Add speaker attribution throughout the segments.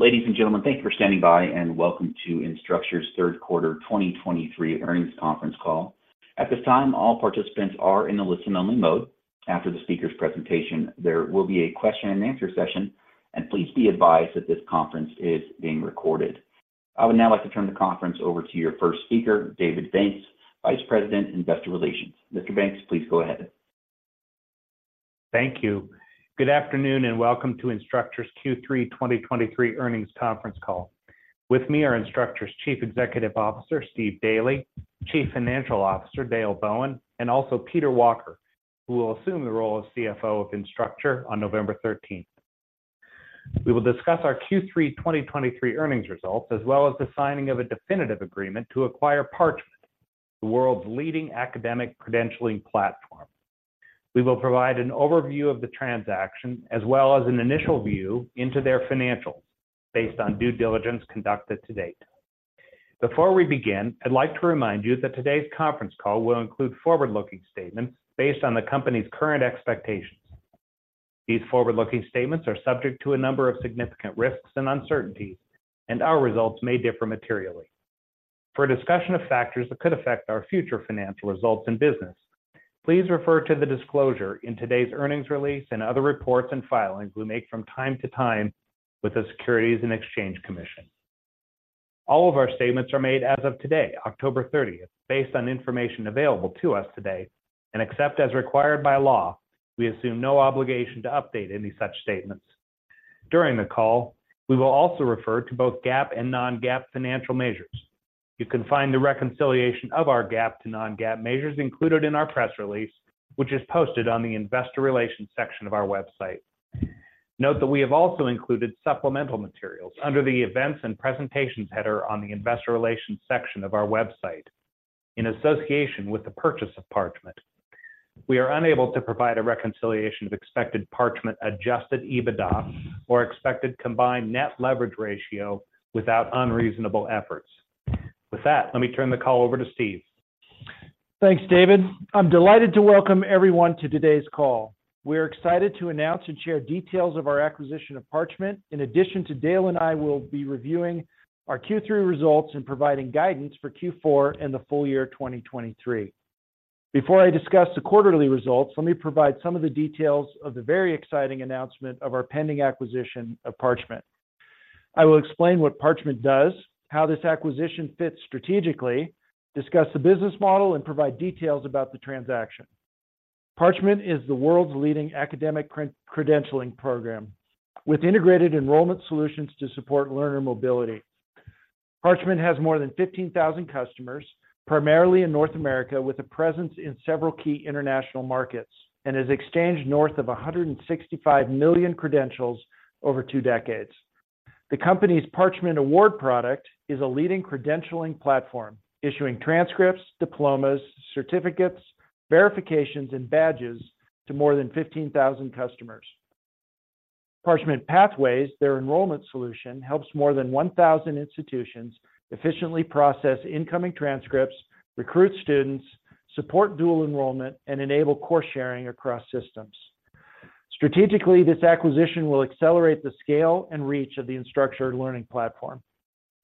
Speaker 1: Ladies and gentlemen, thank you for standing by, and welcome to Instructure's third quarter 2023 earnings conference call. At this time, all participants are in a listen-only mode. After the speaker's presentation, there will be a question and answer session, and please be advised that this conference is being recorded. I would now like to turn the conference over to your first speaker, David Banks, Vice President, Investor Relations. Mr. Banks, please go ahead.
Speaker 2: Thank you. Good afternoon, and welcome to Instructure's Q3 2023 earnings conference call. With me are Instructure's Chief Executive Officer, Steve Daly, Chief Financial Officer, Dale Bowen, and also Peter Walker, who will assume the role of CFO of Instructure on November 13. We will discuss our Q3 2023 earnings results, as well as the signing of a definitive agreement to acquire Parchment, the world's leading academic credentialing platform. We will provide an overview of the transaction, as well as an initial view into their financials, based on due diligence conducted to date. Before we begin, I'd like to remind you that today's conference call will include forward-looking statements based on the company's current expectations. These forward-looking statements are subject to a number of significant risks and uncertainties, and our results may differ materially. For a discussion of factors that could affect our future financial results and business, please refer to the disclosure in today's earnings release and other reports and filings we make from time to time with the Securities and Exchange Commission. All of our statements are made as of today, October 30, based on information available to us today, and except as required by law, we assume no obligation to update any such statements. During the call, we will also refer to both GAAP and non-GAAP financial measures. You can find the reconciliation of our GAAP to non-GAAP measures included in our press release, which is posted on the Investor Relations section of our website. Note that we have also included supplemental materials under the Events and Presentations header on the Investor Relations section of our website. In association with the purchase of Parchment, we are unable to provide a reconciliation of expected Parchment adjusted EBITDA or expected combined net leverage ratio without unreasonable efforts. With that, let me turn the call over to Steve.
Speaker 3: Thanks, David. I'm delighted to welcome everyone to today's call. We're excited to announce and share details of our acquisition of Parchment. In addition to Dale and I, we'll be reviewing our Q3 results and providing guidance for Q4 and the full year 2023. Before I discuss the quarterly results, let me provide some of the details of the very exciting announcement of our pending acquisition of Parchment. I will explain what Parchment does, how this acquisition fits strategically, discuss the business model, and provide details about the transaction. Parchment is the world's leading academic credentialing program, with integrated enrollment solutions to support learner mobility. Parchment has more than 15,000 customers, primarily in North America, with a presence in several key international markets, and has exchanged north of 165 million credentials over two decades. The company's Parchment Award product is a leading credentialing platform, issuing transcripts, diplomas, certificates, verifications, and badges to more than 15,000 customers. Parchment Pathways, their enrollment solution, helps more than 1,000 institutions efficiently process incoming transcripts, recruit students, support dual enrollment, and enable course sharing across systems. Strategically, this acquisition will accelerate the scale and reach of the Instructure Learning Platform.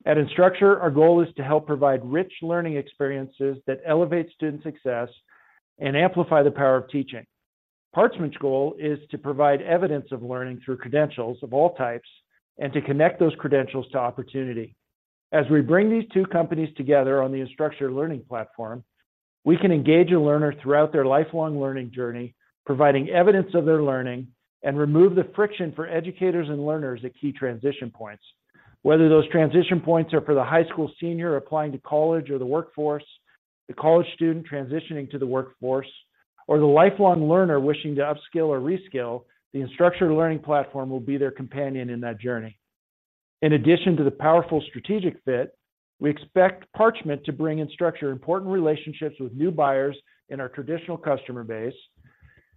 Speaker 3: At Instructure, our goal is to help provide rich learning experiences that elevate student success and amplify the power of teaching. Parchment's goal is to provide evidence of learning through credentials of all types and to connect those credentials to opportunity. As we bring these two companies together on the Instructure Learning Platform, we can engage a learner throughout their lifelong learning journey, providing evidence of their learning, and remove the friction for educators and learners at key transition points. Whether those transition points are for the high school senior applying to college or the workforce, the college student transitioning to the workforce, or the lifelong learner wishing to upskill or reskill, the Instructure Learning Platform will be their companion in that journey. In addition to the powerful strategic fit, we expect Parchment to bring to Instructure important relationships with new buyers in our traditional customer base,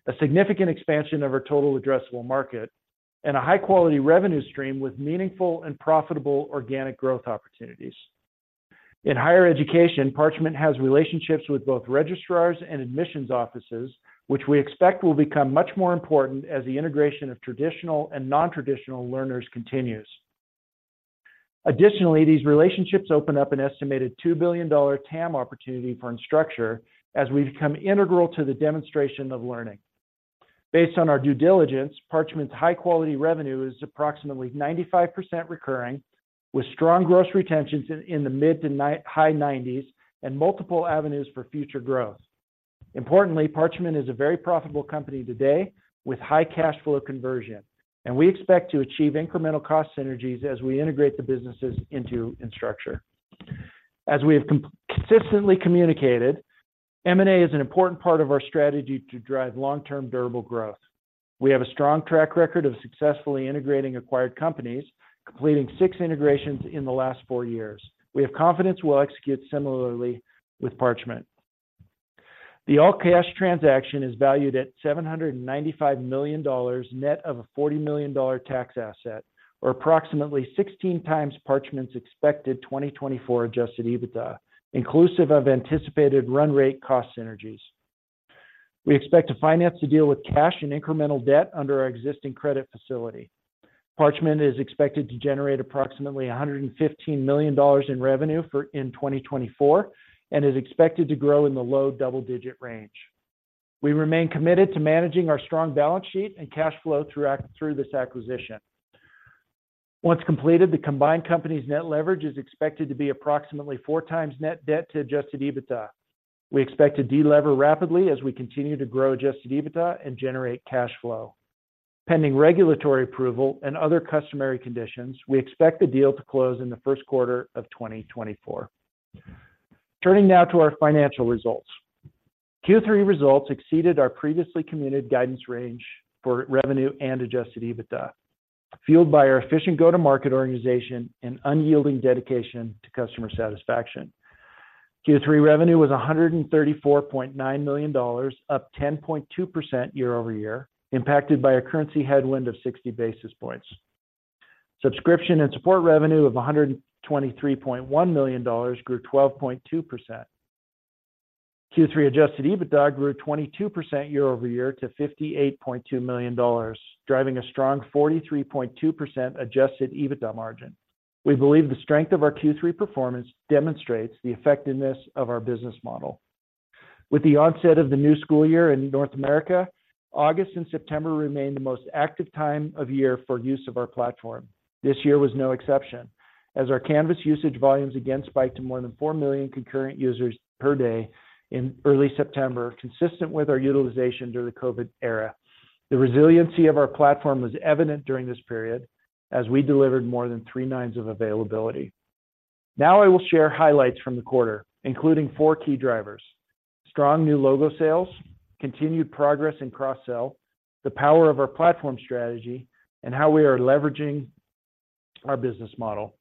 Speaker 3: a significant expansion of our total addressable market, and a high-quality revenue stream with meaningful and profitable organic growth opportunities. In higher education, Parchment has relationships with both registrars and admissions offices, which we expect will become much more important as the integration of traditional and non-traditional learners continues. Additionally, these relationships open up an estimated $2 billion TAM opportunity for Instructure as we become integral to the demonstration of learning. Based on our due diligence, Parchment's high-quality revenue is approximately 95% recurring, with strong gross retentions in the mid- to high 90s and multiple avenues for future growth. Importantly, Parchment is a very profitable company today with high cash flow conversion, and we expect to achieve incremental cost synergies as we integrate the businesses into Instructure. As we have consistently communicated, M&A is an important part of our strategy to drive long-term, durable growth. We have a strong track record of successfully integrating acquired companies, completing 6 integrations in the last 4 years. We have confidence we'll execute similarly with Parchment. The all-cash transaction is valued at $795 million, net of a $40 million tax asset, or approximately 16x Parchment's expected 2024 adjusted EBITDA, inclusive of anticipated run rate cost synergies.... We expect to finance the deal with cash and incremental debt under our existing credit facility. Parchment is expected to generate approximately $115 million in revenue in 2024, and is expected to grow in the low double-digit range. We remain committed to managing our strong balance sheet and cash flow through this acquisition. Once completed, the combined company's net leverage is expected to be approximately 4x net debt to Adjusted EBITDA. We expect to delever rapidly as we continue to grow Adjusted EBITDA and generate cash flow. Pending regulatory approval and other customary conditions, we expect the deal to close in the first quarter of 2024. Turning now to our financial results. Q3 results exceeded our previously committed guidance range for revenue and Adjusted EBITDA, fueled by our efficient go-to-market organization and unyielding dedication to customer satisfaction. Q3 revenue was $134.9 million, up 10.2% year-over-year, impacted by a currency headwind of 60 basis points. Subscription and support revenue of $123.1 million grew 12.2%. Q3 adjusted EBITDA grew 22% year-over-year to $58.2 million, driving a strong 43.2% adjusted EBITDA margin. We believe the strength of our Q3 performance demonstrates the effectiveness of our business model. With the onset of the new school year in North America, August and September remained the most active time of year for use of our platform. This year was no exception, as our Canvas usage volumes again spiked to more than 4 million concurrent users per day in early September, consistent with our utilization during the COVID era. The resiliency of our platform was evident during this period, as we delivered more than three nines of availability. Now I will share highlights from the quarter, including four key drivers: strong new logo sales, continued progress in cross-sell, the power of our platform strategy, and how we are leveraging our business model.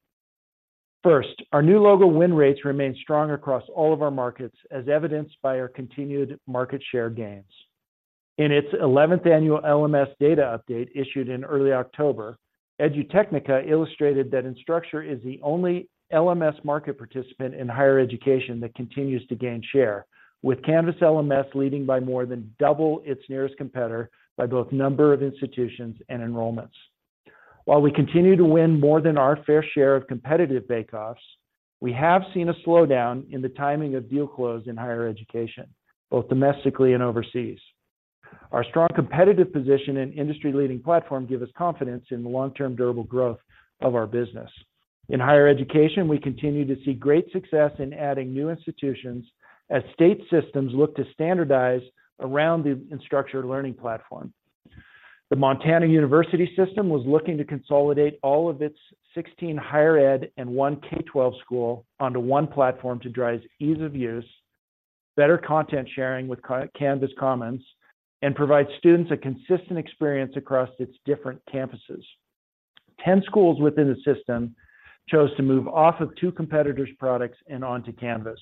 Speaker 3: First, our new logo win rates remain strong across all of our markets, as evidenced by our continued market share gains. In its eleventh annual LMS data update, issued in early October, Edutechnica illustrated that Instructure is the only LMS market participant in higher education that continues to gain share, with Canvas LMS leading by more than double its nearest competitor by both number of institutions and enrollments. While we continue to win more than our fair share of competitive bake-offs, we have seen a slowdown in the timing of deal close in higher education, both domestically and overseas. Our strong competitive position and industry-leading platform give us confidence in the long-term durable growth of our business. In higher education, we continue to see great success in adding new institutions as state systems look to standardize around the Instructure Learning Platform. The Montana University System was looking to consolidate all of its 16 higher ed and one K-12 school onto one platform to drive ease of use, better content sharing with Canvas Commons, and provide students a consistent experience across its different campuses. 10 schools within the system chose to move off of two competitors' products and onto Canvas.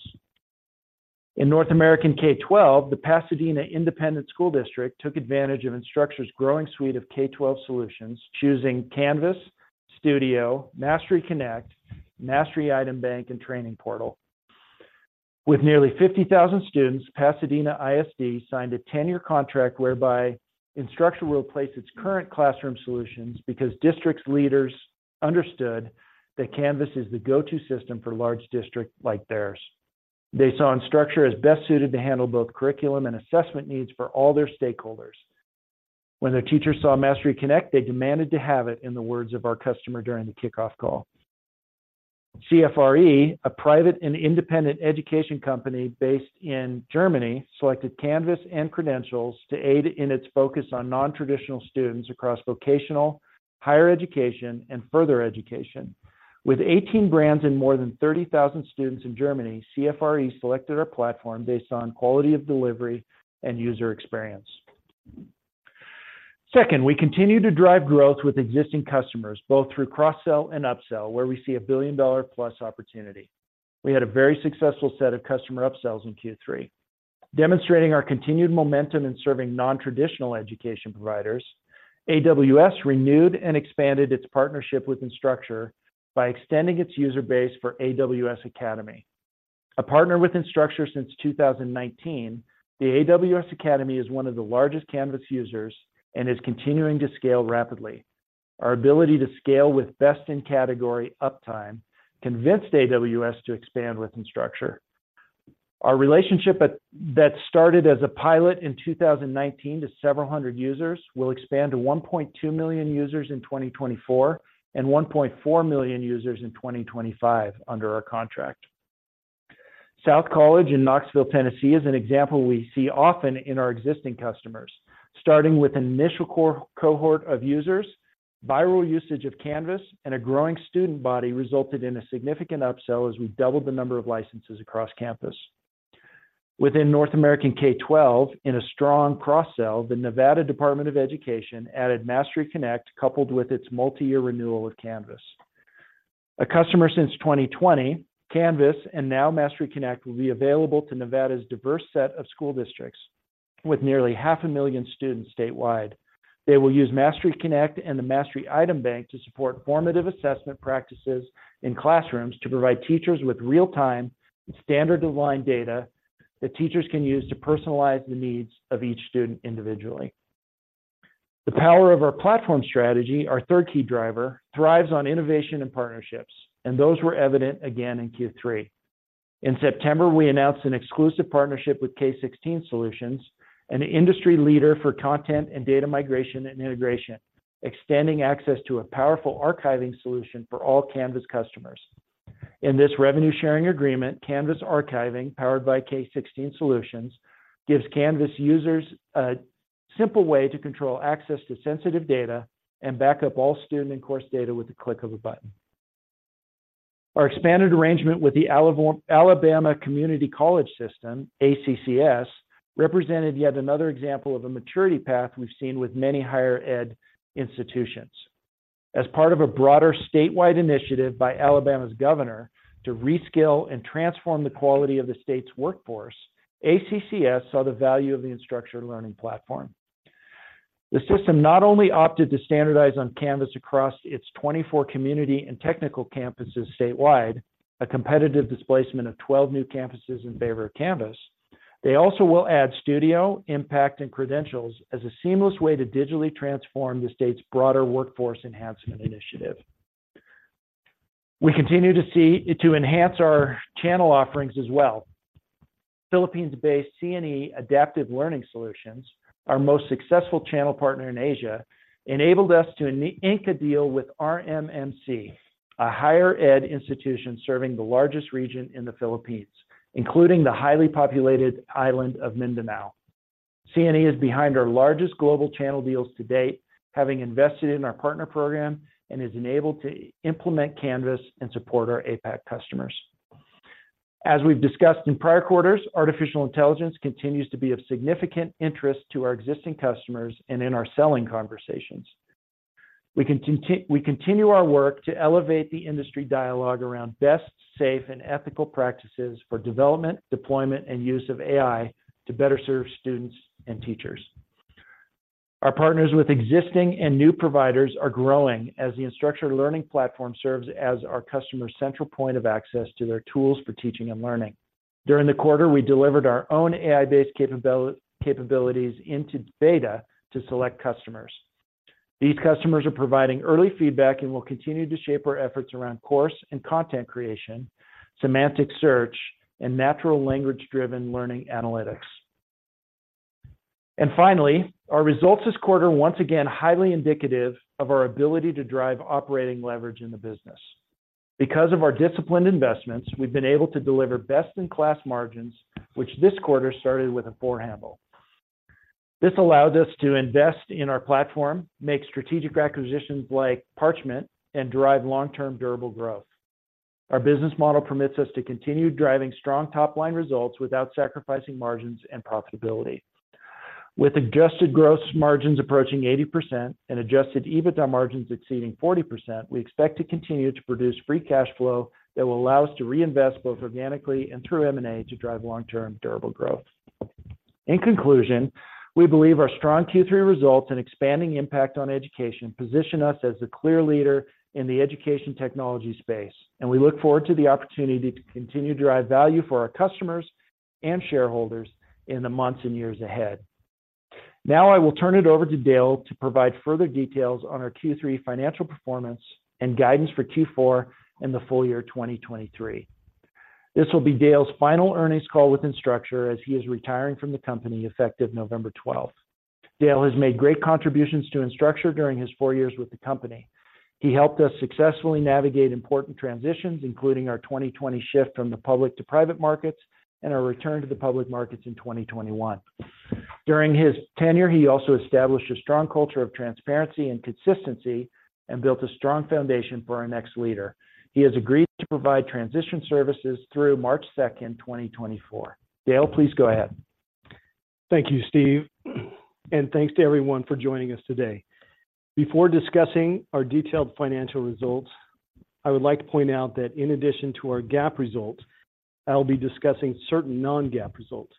Speaker 3: In North American K-12, the Pasadena Independent School District took advantage of Instructure's growing suite of K-12 solutions, choosing Canvas, Studio, Mastery Connect, Mastery Item Bank, and Training Portal. With nearly 50,000 students, Pasadena ISD signed a 10-year contract whereby Instructure will replace its current classroom solutions because district's leaders understood that Canvas is the go-to system for large districts like theirs. They saw Instructure as best suited to handle both curriculum and assessment needs for all their stakeholders. "When their teachers saw Mastery Connect, they demanded to have it," in the words of our customer during the kickoff call. CFRE, a private and independent education company based in Germany, selected Canvas and Credentials to aid in its focus on non-traditional students across vocational, higher education, and further education. With 18 brands and more than 30,000 students in Germany, CFRE selected our platform based on quality of delivery and user experience. Second, we continue to drive growth with existing customers, both through cross-sell and upsell, where we see a billion-dollar-plus opportunity. We had a very successful set of customer upsells in Q3, demonstrating our continued momentum in serving non-traditional education providers. AWS renewed and expanded its partnership with Instructure by extending its user base for AWS Academy. A partner with Instructure since 2019, the AWS Academy is one of the largest Canvas users and is continuing to scale rapidly. Our ability to scale with best-in-category uptime convinced AWS to expand with Instructure. Our relationship that started as a pilot in 2019 to several hundred users, will expand to 1.2 million users in 2024, and 1.4 million users in 2025 under our contract. South College in Knoxville, Tennessee, is an example we see often in our existing customers. Starting with an initial cohort of users, viral usage of Canvas and a growing student body resulted in a significant upsell as we've doubled the number of licenses across campus. Within North American K-12, in a strong cross-sell, the Nevada Department of Education added Mastery Connect, coupled with its multiyear renewal of Canvas. A customer since 2020, Canvas and now Mastery Connect will be available to Nevada's diverse set of school districts, with nearly 500,000 students statewide. They will use Mastery Connect and the Mastery Item Bank to support formative assessment practices in classrooms to provide teachers with real-time and standard aligned data that teachers can use to personalize the needs of each student individually. The power of our platform strategy, our third key driver, thrives on innovation and partnerships, and those were evident again in Q3. In September, we announced an exclusive partnership with K16 Solutions, an industry leader for content and data migration and integration, extending access to a powerful archiving solution for all Canvas customers. In this revenue-sharing agreement, Canvas Archiving, powered by K16 Solutions, gives Canvas users a simple way to control access to sensitive data and back up all student and course data with the click of a button. Our expanded arrangement with the Alabama Community College System, ACCS, represented yet another example of a maturity path we've seen with many higher ed institutions. As part of a broader statewide initiative by Alabama's governor to reskill and transform the quality of the state's workforce, ACCS saw the value of the Instructure Learning Platform. The system not only opted to standardize on Canvas across its 24 community and technical campuses statewide, a competitive displacement of 12 new campuses in favor of Canvas, they also will add Studio, Impact, and Credentials as a seamless way to digitally transform the state's broader workforce enhancement initiative. We continue to see to enhance our channel offerings as well. Philippines-based C&E Adaptive Learning Solutions, our most successful channel partner in Asia, enabled us to ink a deal with RMMC, a higher ed institution serving the largest region in the Philippines, including the highly populated island of Mindanao. CNE is behind our largest global channel deals to date, having invested in our partner program and is enabled to implement Canvas and support our APAC customers. As we've discussed in prior quarters, artificial intelligence continues to be of significant interest to our existing customers and in our selling conversations. We continue our work to elevate the industry dialogue around best, safe, and ethical practices for development, deployment, and use of AI to better serve students and teachers. Our partners with existing and new providers are growing as the Instructure Learning Platform serves as our customer's central point of access to their tools for teaching and learning. During the quarter, we delivered our own AI-based capabilities into beta to select customers. These customers are providing early feedback and will continue to shape our efforts around course and content creation, semantic search, and natural language-driven learning analytics. And finally, our results this quarter, once again, highly indicative of our ability to drive operating leverage in the business. Because of our disciplined investments, we've been able to deliver best-in-class margins, which this quarter started with a four handle. This allowed us to invest in our platform, make strategic acquisitions like Parchment, and drive long-term durable growth. Our business model permits us to continue driving strong top-line results without sacrificing margins and profitability. With adjusted gross margins approaching 80% and adjusted EBITDA margins exceeding 40%, we expect to continue to produce free cash flow that will allow us to reinvest both organically and through M&A to drive long-term durable growth. In conclusion, we believe our strong Q3 results and expanding impact on education position us as the clear leader in the education technology space, and we look forward to the opportunity to continue to drive value for our customers and shareholders in the months and years ahead. Now, I will turn it over to Dale to provide further details on our Q3 financial performance and guidance for Q4 and the full year 2023. This will be Dale's final earnings call with Instructure, as he is retiring from the company effective November 12. Dale has made great contributions to Instructure during his four years with the company. He helped us successfully navigate important transitions, including our 2020 shift from the public to private markets and our return to the public markets in 2021. During his tenure, he also established a strong culture of transparency and consistency and built a strong foundation for our next leader. He has agreed to provide transition services through March 2, 2024. Dale, please go ahead.
Speaker 4: Thank you, Steve, and thanks to everyone for joining us today. Before discussing our detailed financial results, I would like to point out that in addition to our GAAP results, I'll be discussing certain non-GAAP results.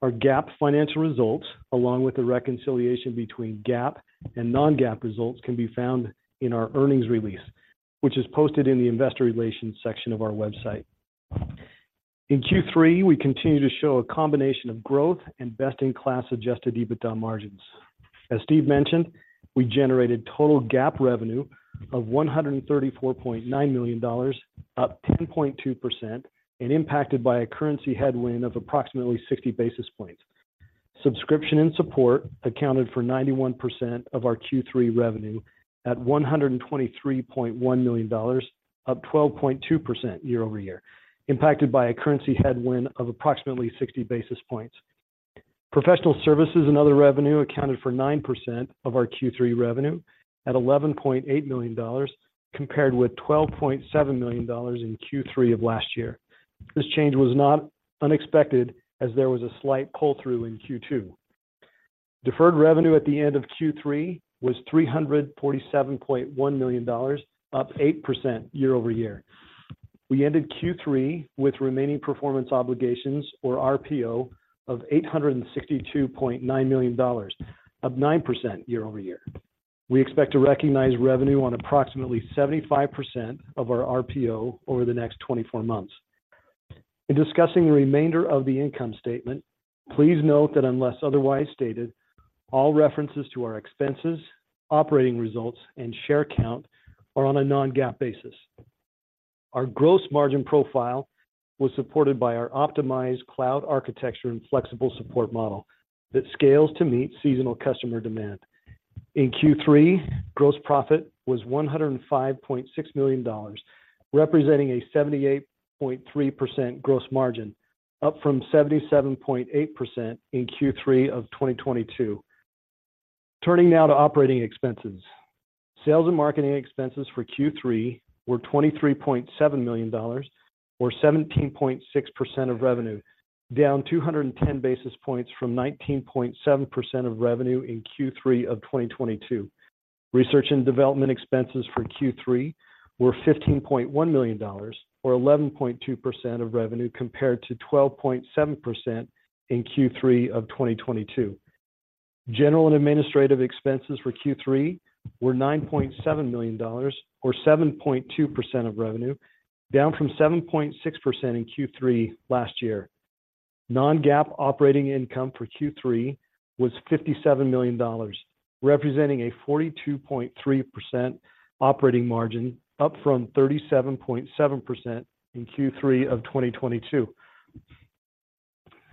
Speaker 4: Our GAAP financial results, along with the reconciliation between GAAP and non-GAAP results, can be found in our earnings release, which is posted in the Investor Relations section of our website. In Q3, we continued to show a combination of growth and best-in-class adjusted EBITDA margins. As Steve mentioned, we generated total GAAP revenue of $134.9 million, up 10.2%, and impacted by a currency headwind of approximately 60 basis points. Subscription and support accounted for 91% of our Q3 revenue at $123.1 million, up 12.2% year-over-year, impacted by a currency headwind of approximately 60 basis points. Professional services and other revenue accounted for 9% of our Q3 revenue at $11.8 million, compared with $12.7 million in Q3 of last year. This change was not unexpected, as there was a slight pull-through in Q2. Deferred revenue at the end of Q3 was $347.1 million, up 8% year-over-year.... We ended Q3 with remaining performance obligations, or RPO, of $862.9 million, up 9% year-over-year. We expect to recognize revenue on approximately 75% of our RPO over the next 24 months. In discussing the remainder of the income statement, please note that unless otherwise stated, all references to our expenses, operating results, and share count are on a non-GAAP basis. Our gross margin profile was supported by our optimized cloud architecture and flexible support model that scales to meet seasonal customer demand. In Q3, gross profit was $105.6 million, representing a 78.3% gross margin, up from 77.8% in Q3 of 2022. Turning now to operating expenses. Sales and marketing expenses for Q3 were $23.7 million, or 17.6% of revenue, down 210 basis points from 19.7% of revenue in Q3 of 2022. Research and development expenses for Q3 were $15.1 million, or 11.2% of revenue, compared to 12.7% in Q3 of 2022. General and administrative expenses for Q3 were $9.7 million, or 7.2% of revenue, down from 7.6% in Q3 last year. Non-GAAP operating income for Q3 was $57 million, representing a 42.3% operating margin, up from 37.7% in Q3 of 2022.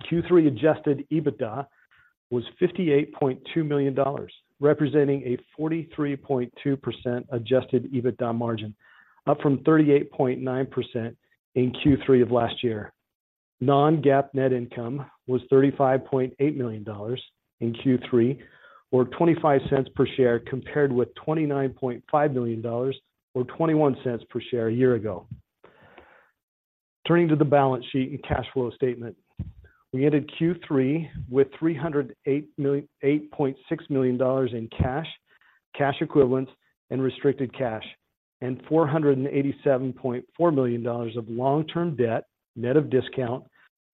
Speaker 4: Q3 adjusted EBITDA was $58.2 million, representing a 43.2% adjusted EBITDA margin, up from 38.9% in Q3 of last year. Non-GAAP net income was $35.8 million in Q3, or $0.25 per share, compared with $29.5 million, or $0.21 per share a year ago. Turning to the balance sheet and cash flow statement. We ended Q3 with $308.6 million in cash, cash equivalents, and restricted cash, and $487.4 million of long-term debt, net of discount,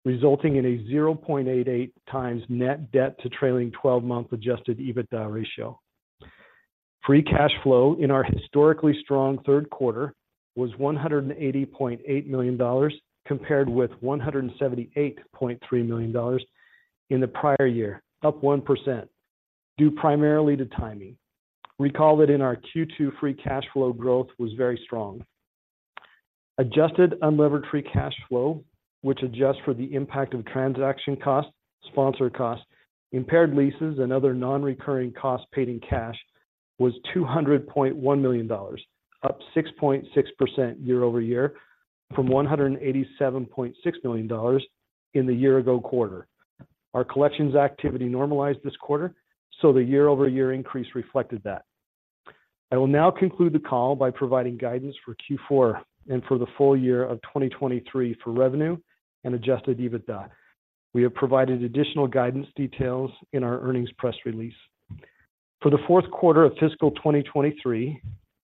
Speaker 4: resulting in a 0.88x net debt to trailing twelve-month Adjusted EBITDA ratio. Free cash flow in our historically strong third quarter was $180.8 million, compared with $178.3 million in the prior year, up 1%, due primarily to timing. Recall that in our Q2, free cash flow growth was very strong. Adjusted Unlevered Free Cash Flow, which adjusts for the impact of transaction costs, sponsor costs, impaired leases, and other non-recurring costs paid in cash, was $200.1 million, up 6.6% year-over-year from $187.6 million in the year-ago quarter. Our collections activity normalized this quarter, so the year-over-year increase reflected that. I will now conclude the call by providing guidance for Q4 and for the full year of 2023 for revenue and Adjusted EBITDA. We have provided additional guidance details in our earnings press release. For the fourth quarter of fiscal 2023,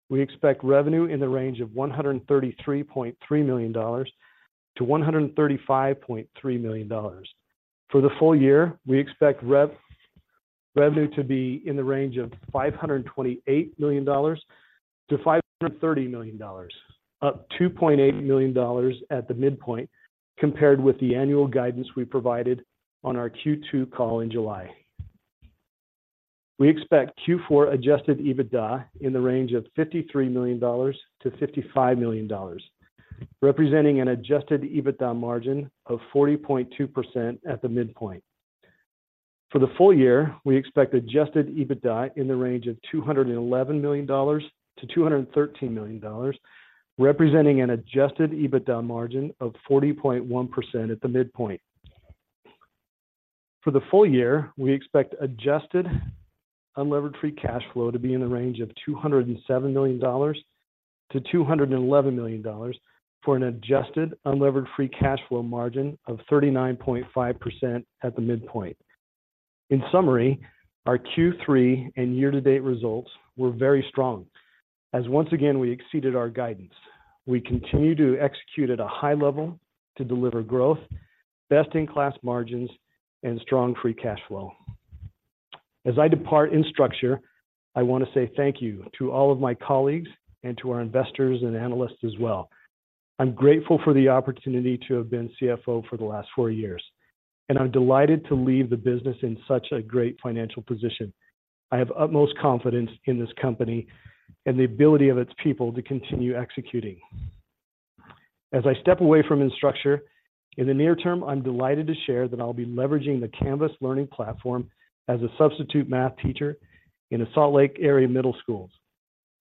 Speaker 4: we expect revenue in the range of $133.3 million-$135.3 million. For the full year, we expect revenue to be in the range of $528 million-$530 million, up $2.8 million at the midpoint compared with the annual guidance we provided on our Q2 call in July. We expect Q4 adjusted EBITDA in the range of $53 million-$55 million, representing an adjusted EBITDA margin of 40.2% at the midpoint. For the full year, we expect adjusted EBITDA in the range of $211 million-$213 million, representing an adjusted EBITDA margin of 40.1% at the midpoint. For the full year, we expect Adjusted Unlevered Free Cash Flow to be in the range of $207 million-$211 million, for an Adjusted Unlevered Free Cash Flow margin of 39.5% at the midpoint. In summary, our Q3 and year-to-date results were very strong, as once again, we exceeded our guidance. We continue to execute at a high level to deliver growth, best-in-class margins, and strong free cash flow. As I depart Instructure, I want to say thank you to all of my colleagues and to our investors and analysts as well. I'm grateful for the opportunity to have been CFO for the last four years, and I'm delighted to leave the business in such a great financial position. I have utmost confidence in this company and the ability of its people to continue executing. As I step away from Instructure, in the near term, I'm delighted to share that I'll be leveraging the Canvas Learning Platform as a substitute math teacher in a Salt Lake-area middle schools.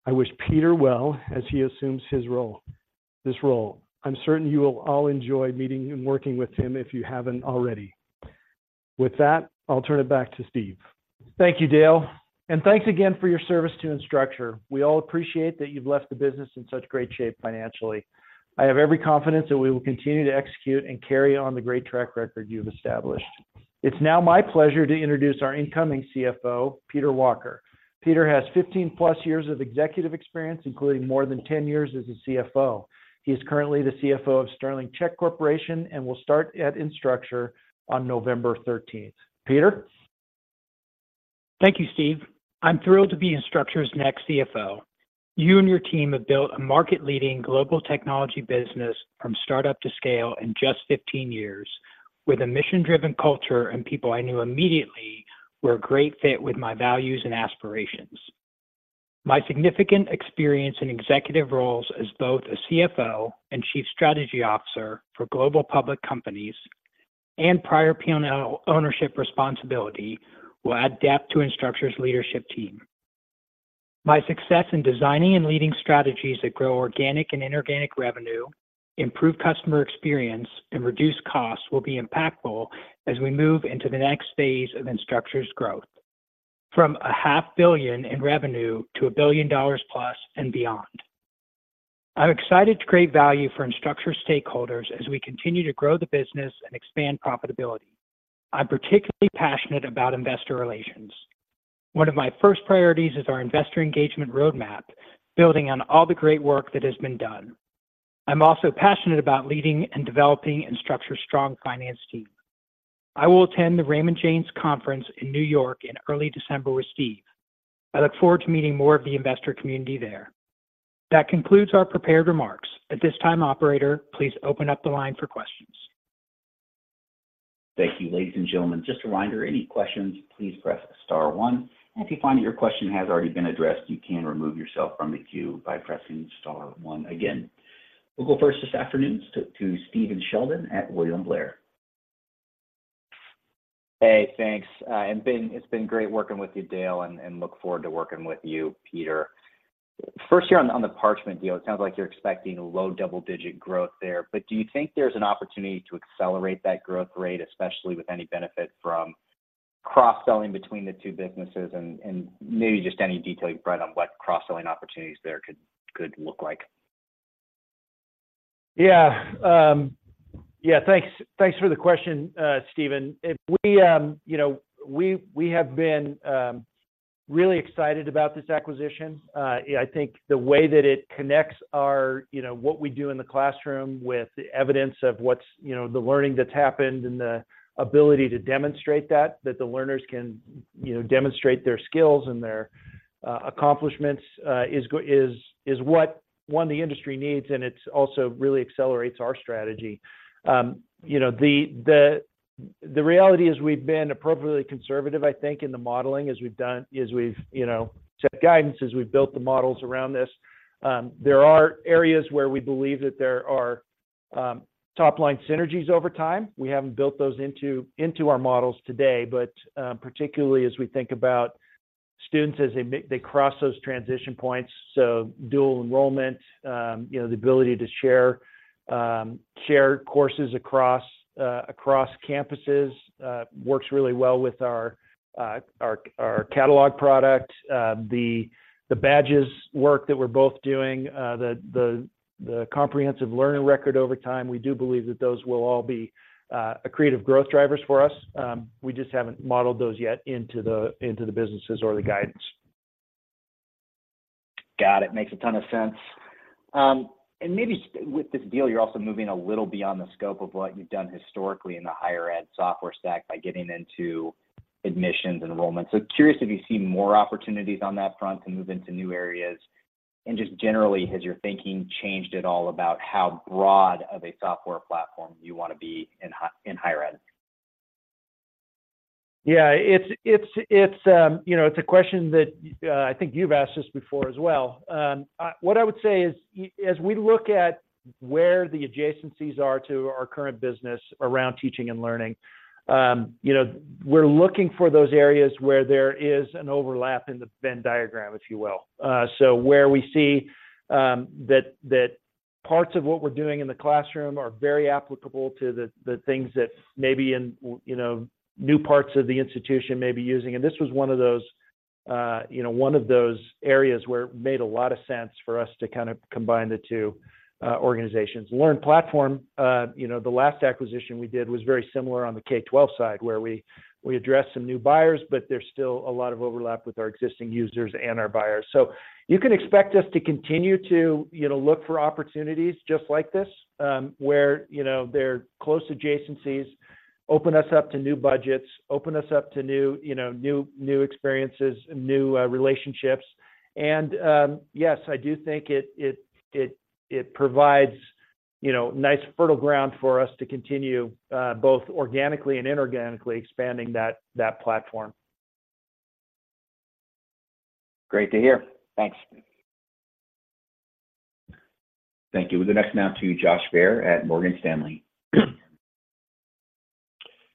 Speaker 4: I wish Peter well as he assumes his role, this role. I'm certain you will all enjoy meeting and working with him if you haven't already. With that, I'll turn it back to Steve.
Speaker 3: Thank you, Dale, and thanks again for your service to Instructure. We all appreciate that you've left the business in such great shape financially. I have every confidence that we will continue to execute and carry on the great track record you've established. It's now my pleasure to introduce our incoming CFO, Peter Walker. Peter has 15+ years of executive experience, including more than 10 years as a CFO. He is currently the CFO of Sterling Check Corporation, and will start at Instructure on November 13. Peter?
Speaker 5: Thank you, Steve. I'm thrilled to be Instructure's next CFO. You and your team have built a market-leading global technology business from startup to scale in just 15 years, with a mission-driven culture and people I knew immediately were a great fit with my values and aspirations. My significant experience in executive roles as both a CFO and Chief Strategy Officer for global public companies, and prior P&L ownership responsibility, will add depth to Instructure's leadership team. My success in designing and leading strategies that grow organic and inorganic revenue, improve customer experience, and reduce costs will be impactful as we move into the next phase of Instructure's growth, from $500 million in revenue to $1 billion plus and beyond. I'm excited to create value for Instructure stakeholders as we continue to grow the business and expand profitability. I'm particularly passionate about investor relations. One of my first priorities is our investor engagement roadmap, building on all the great work that has been done. I'm also passionate about leading and developing Instructure's strong finance team. I will attend the Raymond James Conference in New York in early December with Steve. I look forward to meeting more of the investor community there. That concludes our prepared remarks. At this time, operator, please open up the line for questions.
Speaker 1: Thank you, ladies and gentlemen. Just a reminder, any questions, please press star one, and if you find that your question has already been addressed, you can remove yourself from the queue by pressing star one again. We'll go first this afternoon to Stephen Sheldon at William Blair.
Speaker 6: Hey, thanks. It's been great working with you, Dale, and look forward to working with you, Peter. First, here on the Parchment deal, it sounds like you're expecting a low double-digit growth there. But do you think there's an opportunity to accelerate that growth rate, especially with any benefit from cross-selling between the two businesses? And maybe just any detail you can provide on what cross-selling opportunities there could look like.
Speaker 3: Yeah. Yeah, thanks. Thanks for the question, Steven. If we, you know, we have been really excited about this acquisition. I think the way that it connects our, you know, what we do in the classroom with the evidence of what's, you know, the learning that's happened and the ability to demonstrate that that the learners can, you know, demonstrate their skills and their accomplishments is what the industry needs, and it's also really accelerates our strategy. You know, the reality is we've been appropriately conservative, I think, in the modeling, as we've you know set guidance, as we've built the models around this. There are areas where we believe that there are top-line synergies over time. We haven't built those into our models today, but particularly as we think about students as they cross those transition points, so dual enrollment, you know, the ability to share courses across campuses works really well with our catalog product, the Badges work that we're both doing, the comprehensive learner record over time. We do believe that those will all be accretive growth drivers for us. We just haven't modeled those yet into the businesses or the guidance.
Speaker 7: Got it. Makes a ton of sense. And maybe with this deal, you're also moving a little beyond the scope of what you've done historically in the higher ed software stack by getting into admissions, enrollment. So curious if you see more opportunities on that front to move into new areas, and just generally, has your thinking changed at all about how broad of a software platform you wanna be in hi- in higher ed?
Speaker 3: Yeah, it's, you know, it's a question that, I think you've asked this before as well. What I would say is, as we look at where the adjacencies are to our current business around teaching and learning, you know, we're looking for those areas where there is an overlap in the Venn diagram, if you will. So where we see, that parts of what we're doing in the classroom are very applicable to the things that maybe in, you know, new parts of the institution may be using. And this was one of those, you know, one of those areas where it made a lot of sense for us to kind of combine the two, organizations. learning platform, you know, the last acquisition we did was very similar on the K-12 side, where we addressed some new buyers, but there's still a lot of overlap with our existing users and our buyers. So you can expect us to continue to, you know, look for opportunities just like this, where, you know, they're close adjacencies, open us up to new budgets, open us up to new, you know, new experiences and new relationships. And, yes, I do think it provides, you know, nice fertile ground for us to continue, both organically and inorganically expanding that platform.
Speaker 7: Great to hear. Thanks.
Speaker 1: Thank you. The next now to Josh Baer at Morgan Stanley.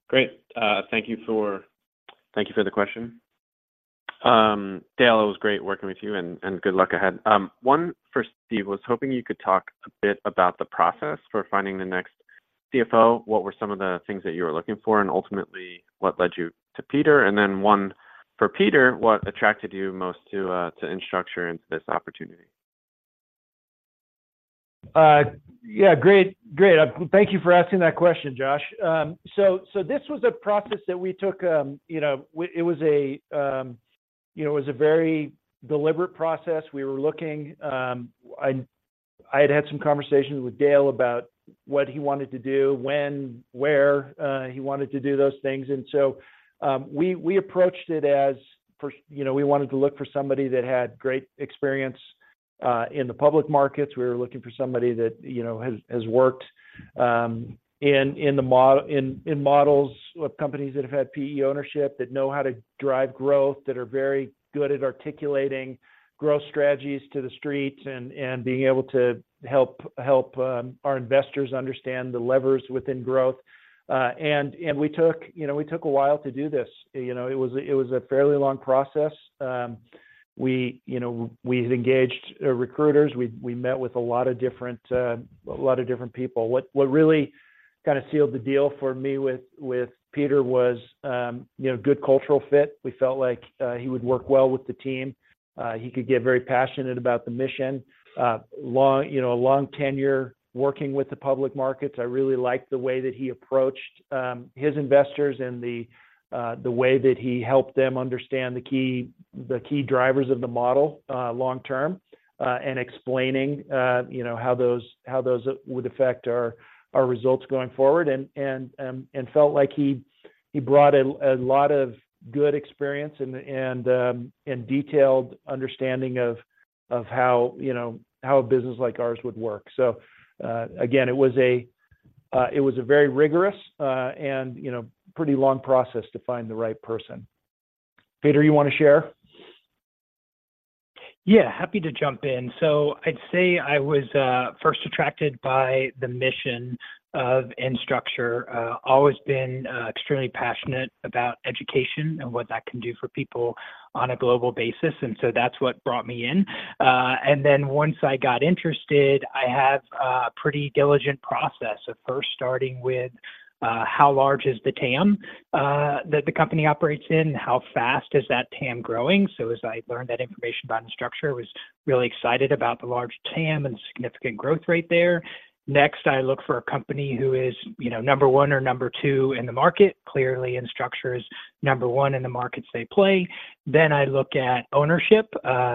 Speaker 8: Great. Thank you for, thank you for the question. Dale, it was great working with you, and, and good luck ahead. One for Steve. I was hoping you could talk a bit about the process for finding the next CFO. What were some of the things that you were looking for, and ultimately, what led you to Peter? And then one for Peter, what attracted you most to, to Instructure and to this opportunity?...
Speaker 3: Yeah, great. Great. Thank you for asking that question, Josh. So, this was a process that we took, you know, it was a very deliberate process. We were looking, I'd had some conversations with Dale about what he wanted to do, when, where, he wanted to do those things. And so, we approached it, you know, we wanted to look for somebody that had great experience in the public markets. We were looking for somebody that, you know, has worked in models with companies that have had PE ownership, that know how to drive growth, that are very good at articulating growth strategies to the street, and being able to help our investors understand the levers within growth. And we took, you know, we took a while to do this. You know, it was a fairly long process. You know, we had engaged recruiters. We met with a lot of different people. What really kind of sealed the deal for me with Peter was, you know, good cultural fit. We felt like he would work well with the team. He could get very passionate about the mission. You know, a long tenure working with the public markets. I really liked the way that he approached his investors and the way that he helped them understand the key drivers of the model, long term, and explaining, you know, how those would affect our results going forward. And felt like he brought a lot of good experience and detailed understanding of how, you know, how a business like ours would work. So, again, it was a very rigorous and, you know, pretty long process to find the right person. Peter, you want to share?
Speaker 5: Yeah, happy to jump in. So I'd say I was first attracted by the mission of Instructure. Always been extremely passionate about education and what that can do for people on a global basis, and so that's what brought me in. And then once I got interested, I have a pretty diligent process of first starting with how large is the TAM that the company operates in? How fast is that TAM growing? So as I learned that information about Instructure, was really excited about the large TAM and significant growth rate there. Next, I look for a company who is, you know, number 1 or number 2 in the market. Clearly, Instructure is number 1 in the markets they play. Then I look at ownership,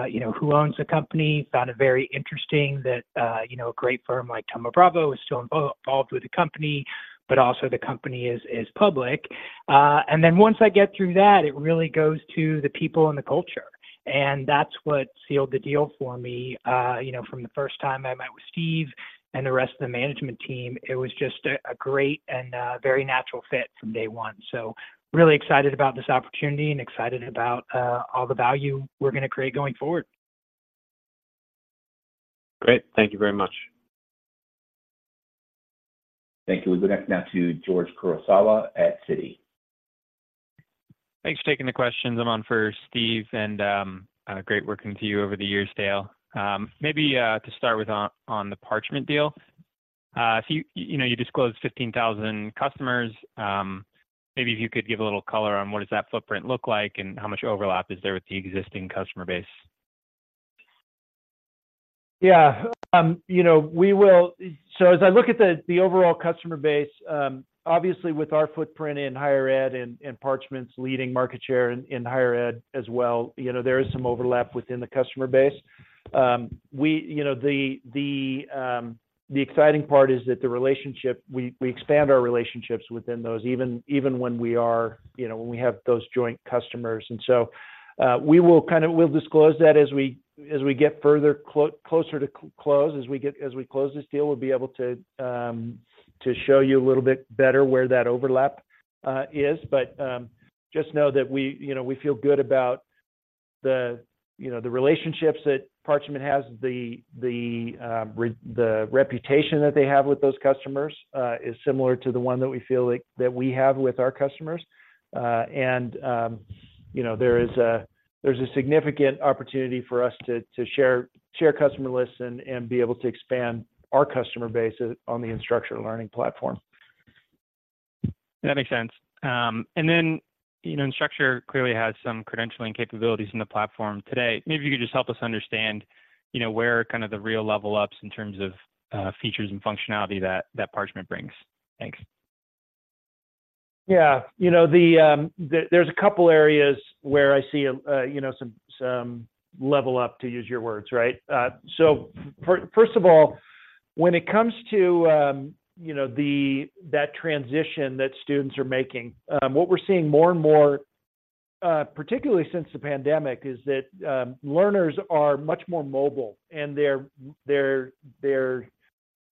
Speaker 5: you know, who owns the company. Found it very interesting that, you know, a great firm like Thoma Bravo is still involved with the company, but also the company is, is public. And then once I get through that, it really goes to the people and the culture, and that's what sealed the deal for me. You know, from the first time I met with Steve and the rest of the management team, it was just a, a great and, very natural fit from day one. So really excited about this opportunity and excited about, all the value we're gonna create going forward.
Speaker 9: Great. Thank you very much.
Speaker 1: Thank you. We go next now to George Kurosawa at Citi.
Speaker 9: Thanks for taking the questions. I'm on for Steve, and great working with you over the years, Dale. Maybe to start with on the Parchment deal. If you know, you disclosed 15,000 customers, maybe if you could give a little color on what does that footprint look like and how much overlap is there with the existing customer base?
Speaker 3: Yeah, you know, we will—so as I look at the overall customer base, obviously, with our footprint in higher ed and Parchment's leading market share in higher ed as well, you know, there is some overlap within the customer base. We, you know, the exciting part is that we expand our relationships within those, even when we are, you know, when we have those joint customers. And so, we will kind of... We'll disclose that as we get further closer to close. As we close this deal, we'll be able to show you a little bit better where that overlap is. But just know that we, you know, we feel good about the relationships that Parchment has. The reputation that they have with those customers is similar to the one that we feel like that we have with our customers. And you know, there's a significant opportunity for us to share customer lists and be able to expand our customer base on the Instructure Learning Platform.
Speaker 9: That makes sense. And then, you know, Instructure clearly has some credentialing capabilities in the platform today. Maybe you could just help us understand, you know, where kind of the real level ups in terms of, features and functionality that Parchment brings. Thanks.
Speaker 3: Yeah. You know, there's a couple areas where I see, you know, some level up, to use your words, right? So first of all, when it comes to, you know, that transition that students are making, what we're seeing more and more, particularly since the pandemic, is that, learners are much more mobile, and they're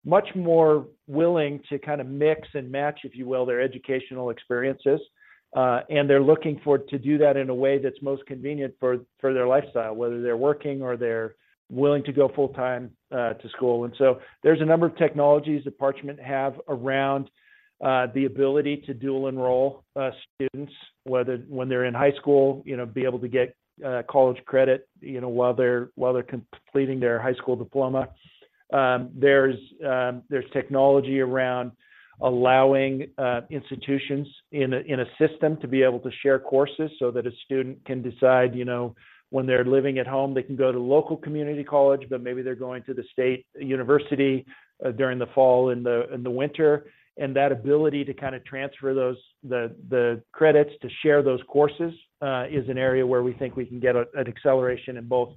Speaker 3: much more willing to kind of mix and match, if you will, their educational experiences. And they're looking for to do that in a way that's most convenient for their lifestyle, whether they're working or they're willing to go full-time to school. So there's a number of technologies that Parchment have around the ability to dual enroll students, whether when they're in high school, you know, be able to get college credit, you know, while they're completing their high school diploma. There's technology around allowing institutions in a system to be able to share courses so that a student can decide, you know, when they're living at home, they can go to local community college, but maybe they're going to the state university during the fall and the winter. And that ability to kinda transfer those credits to share those courses is an area where we think we can get an acceleration in both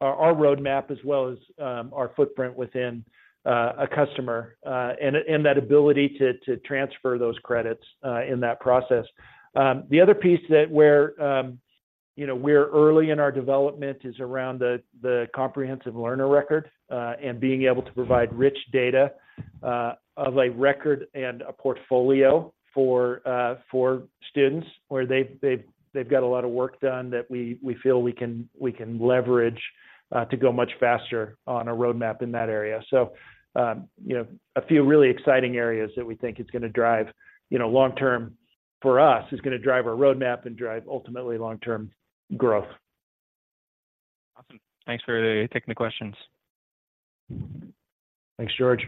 Speaker 3: our roadmap as well as our footprint within a customer. And that ability to transfer those credits in that process. The other piece that we're, you know, we're early in our development is around the comprehensive learner record, and being able to provide rich data of a record and a portfolio for students where they've got a lot of work done that we feel we can leverage to go much faster on a roadmap in that area. So, you know, a few really exciting areas that we think is gonna drive, you know, long term... For us, is gonna drive our roadmap and drive ultimately long-term growth.
Speaker 9: Awesome. Thanks for taking the questions.
Speaker 3: Thanks, George.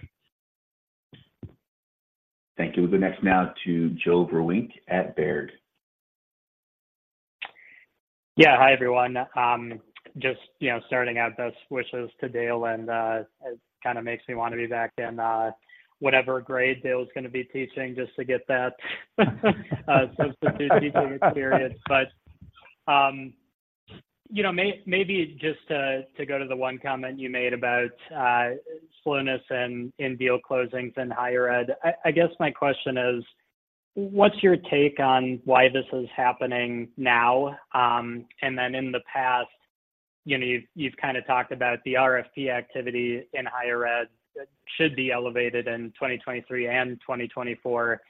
Speaker 1: Thank you. We'll go next now to Joe Vruwink at Baird.
Speaker 10: Yeah, hi, everyone. Just, you know, starting out, best wishes to Dale, and it kinda makes me wanna be back in whatever grade Dale was gonna be teaching, just to get that substitute teaching experience. But you know, maybe just to go to the one comment you made about slowness in deal closings in higher ed. I guess my question is: what's your take on why this is happening now? And then in the past, you know, you've kinda talked about the RFP activity in higher ed that should be elevated in 2023 and 2024.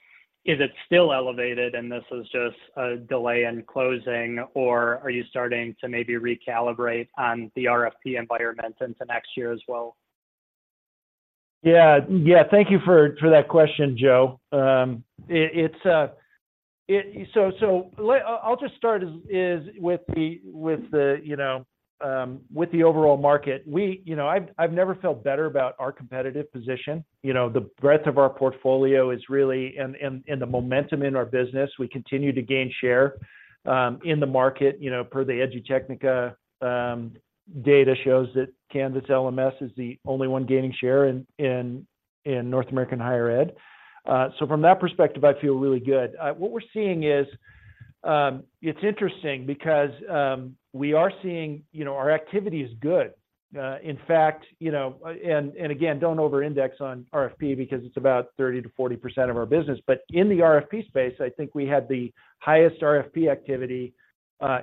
Speaker 10: Is it still elevated, and this is just a delay in closing, or are you starting to maybe recalibrate on the RFP environment into next year as well?
Speaker 3: Yeah, yeah. Thank you for that question, Joe. It's so. I'll just start as is with the you know with the overall market. We you know I've never felt better about our competitive position. You know the breadth of our portfolio is really... and the momentum in our business. We continue to gain share in the market you know per the Edutechnica data shows that Canvas LMS is the only one gaining share in North American higher ed. So from that perspective I feel really good. What we're seeing is it's interesting because we are seeing you know our activity is good. In fact you know and again don't overindex on RFP because it's about 30%-40% of our business. But in the RFP space, I think we had the highest RFP activity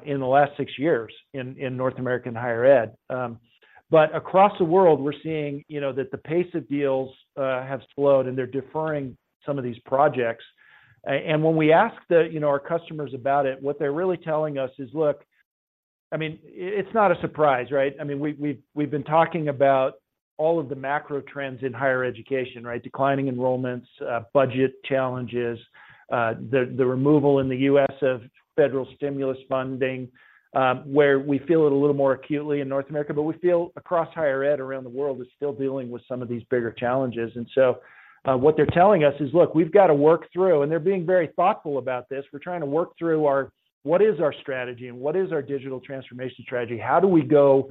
Speaker 3: in the last six years in North American higher ed. But across the world, we're seeing, you know, that the pace of deals have slowed, and they're deferring some of these projects. And when we ask, you know, our customers about it, what they're really telling us is, look, I mean, it's not a surprise, right? I mean, we've been talking about all of the macro trends in higher education, right? Declining enrollments, budget challenges, the removal in the U.S. of federal stimulus funding, where we feel it a little more acutely in North America, but we feel across higher ed around the world is still dealing with some of these bigger challenges. And so, what they're telling us is, "Look, we've got to work through," and they're being very thoughtful about this. "We're trying to work through our, what is our strategy and what is our digital transformation strategy? How do we go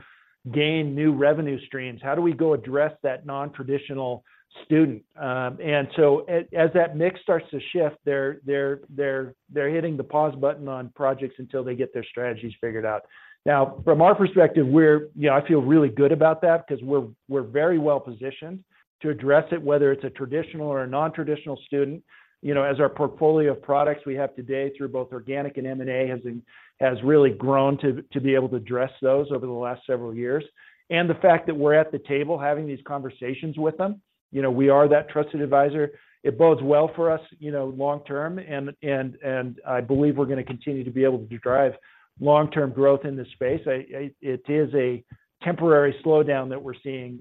Speaker 3: gain new revenue streams? How do we go address that non-traditional student?" And so as that mix starts to shift, they're hitting the pause button on projects until they get their strategies figured out. Now, from our perspective, we're, you know, I feel really good about that 'cause we're very well positioned to address it, whether it's a traditional or a non-traditional student. You know, as our portfolio of products we have today, through both organic and M&A, has really grown to be able to address those over the last several years. And the fact that we're at the table having these conversations with them, you know, we are that trusted advisor. It bodes well for us, you know, long term, and I believe we're gonna continue to be able to drive long-term growth in this space. It is a temporary slowdown that we're seeing.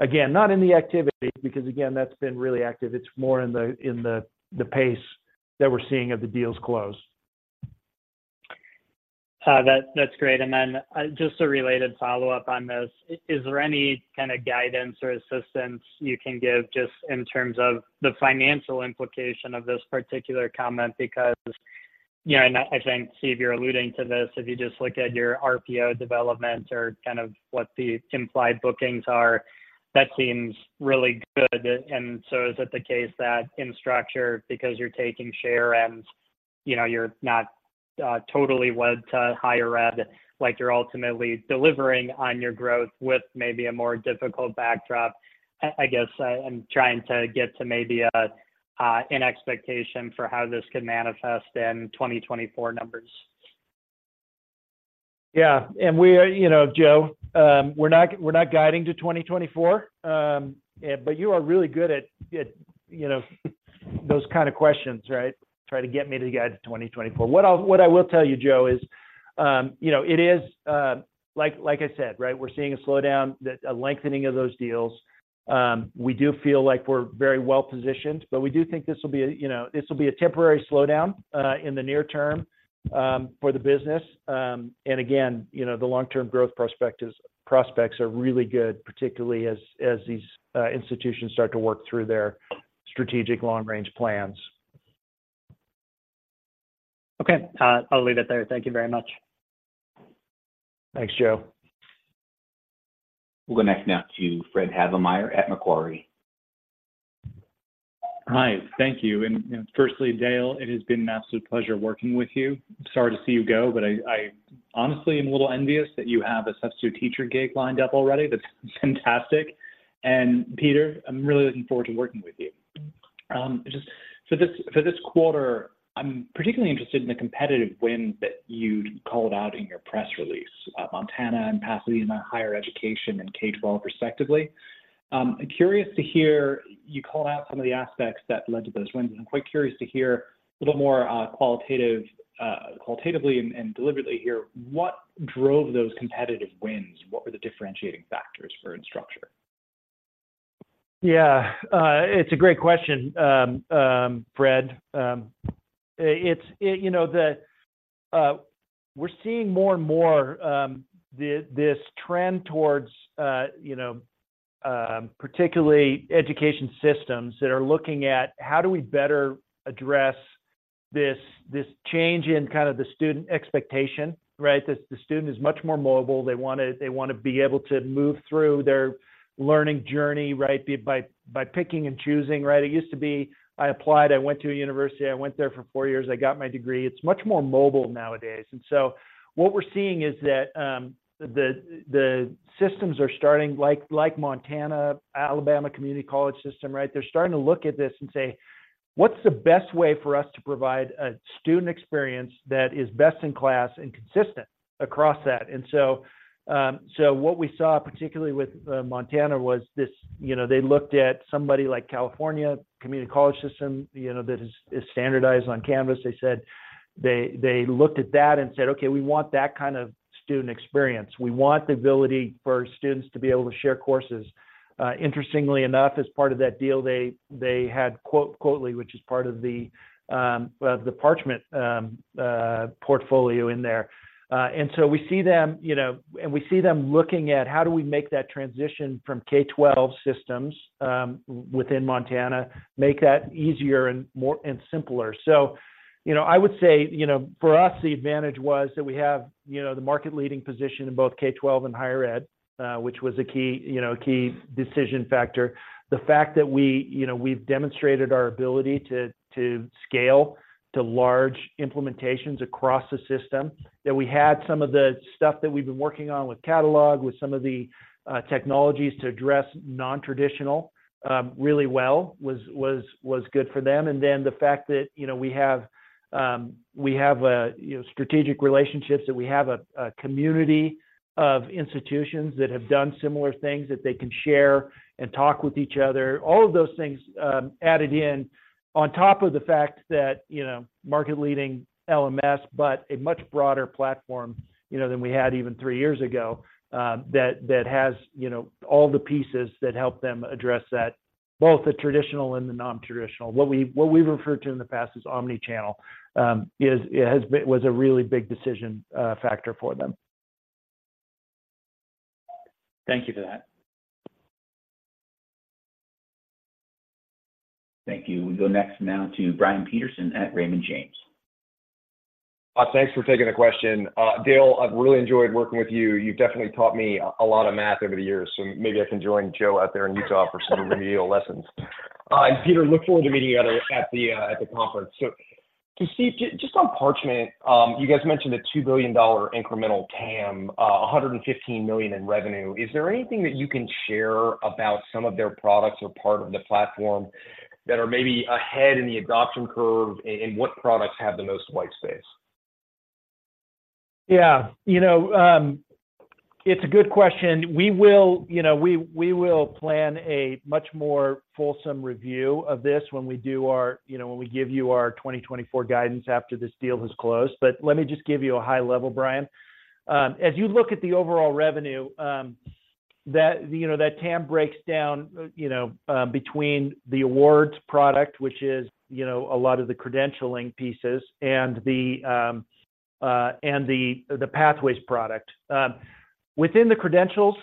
Speaker 3: Again, not in the activity, because, again, that's been really active. It's more in the pace that we're seeing of the deals close.
Speaker 10: That's great. And then, just a related follow-up on this. Is there any kind of guidance or assistance you can give just in terms of the financial implication of this particular comment? Because, you know, and I think, Steve, you're alluding to this, if you just look at your RPO development or kind of what the implied bookings are, that seems really good. And so is it the case that Instructure, because you're taking share and, you know, you're not totally wed to higher ed, like you're ultimately delivering on your growth with maybe a more difficult backdrop? I guess, I'm trying to get to maybe a an expectation for how this could manifest in 2024 numbers.
Speaker 3: Yeah. And we are, you know, Joe, we're not, we're not guiding to 2024. But you are really good at those kind of questions, right? Try to get me to guide to 2024. What I'll, what I will tell you, Joe, is, you know, it is, like I said, right? We're seeing a slowdown, a lengthening of those deals.... We do feel like we're very well positioned, but we do think this will be a, you know, this will be a temporary slowdown, in the near term, for the business. And again, you know, the long-term growth prospects are really good, particularly as these institutions start to work through their strategic long range plans.
Speaker 10: Okay. I'll leave it there. Thank you very much.
Speaker 3: Thanks, Joe.
Speaker 1: We'll go next now to Fred Havemeyer at Macquarie.
Speaker 6: Hi, thank you. You know, firstly, Dale, it has been an absolute pleasure working with you. Sorry to see you go, but I honestly am a little envious that you have a substitute teacher gig lined up already. That's fantastic. Peter, I'm really looking forward to working with you. Just for this, for this quarter, I'm particularly interested in the competitive win that you'd called out in your press release, Montana and Pasadena Higher Education and K-12 respectively. I'm curious to hear you call out some of the aspects that led to those wins, and I'm quite curious to hear a little more qualitative, qualitatively and deliberately hear what drove those competitive wins. What were the differentiating factors for Instructure?
Speaker 3: Yeah, it's a great question, Fred. You know, we're seeing more and more this trend towards, you know, particularly education systems that are looking at how do we better address this change in kind of the student expectation, right? The student is much more mobile. They wanna be able to move through their learning journey, right? By picking and choosing, right? It used to be, I applied, I went to a university, I went there for four years, I got my degree. It's much more mobile nowadays. And so what we're seeing is that the systems are starting like Montana, Alabama Community College System, right? They're starting to look at this and say, "What's the best way for us to provide a student experience that is best in class and consistent across that?" And so, so what we saw, particularly with Montana, was this, you know, they looked at somebody like California Community College System, you know, that is standardized on Canvas. They said, they looked at that and said, "Okay, we want that kind of student experience. We want the ability for students to be able to share courses." Interestingly enough, as part of that deal, they had Quottly, which is part of the Parchment portfolio in there. And so we see them, you know, and we see them looking at how do we make that transition from K-12 systems within Montana, make that easier and more and simpler. So, you know, I would say, you know, for us, the advantage was that we have, you know, the market leading position in both K-12 and higher ed, which was a key, you know, key decision factor. The fact that we, you know, we've demonstrated our ability to scale to large implementations across the system, that we had some of the stuff that we've been working on with Catalog, with some of the technologies to address nontraditional really well, was good for them. And then the fact that, you know, we have, we have, you know, strategic relationships, that we have a community of institutions that have done similar things that they can share and talk with each other. All of those things, added in on top of the fact that, you know, market-leading LMS, but a much broader platform, you know, than we had even three years ago, that has, you know, all the pieces that help them address that, both the traditional and the nontraditional. What we referred to in the past as omni-channel was a really big decision factor for them.
Speaker 6: Thank you for that.
Speaker 1: Thank you. We go next now to Brian Peterson at Raymond James.
Speaker 11: Thanks for taking the question. Dale, I've really enjoyed working with you. You've definitely taught me a lot of math over the years, so maybe I can join Joe out there in Utah for some remedial lessons. Peter, look forward to meeting you at the conference. So, just on Parchment, you guys mentioned a $2 billion incremental TAM, a $115 million in revenue. Is there anything that you can share about some of their products or part of the platform that are maybe ahead in the adoption curve, and what products have the most white space?
Speaker 3: Yeah, you know, it's a good question. We will, you know, we will plan a much more fulsome review of this when we do our—you know, when we give you our 2024 guidance after this deal has closed. But let me just give you a high level, Brian. As you look at the overall revenue, that, you know, that TAM breaks down, you know, between the awards product, which is, you know, a lot of the credentialing pieces, and the pathways product. Within the credentials,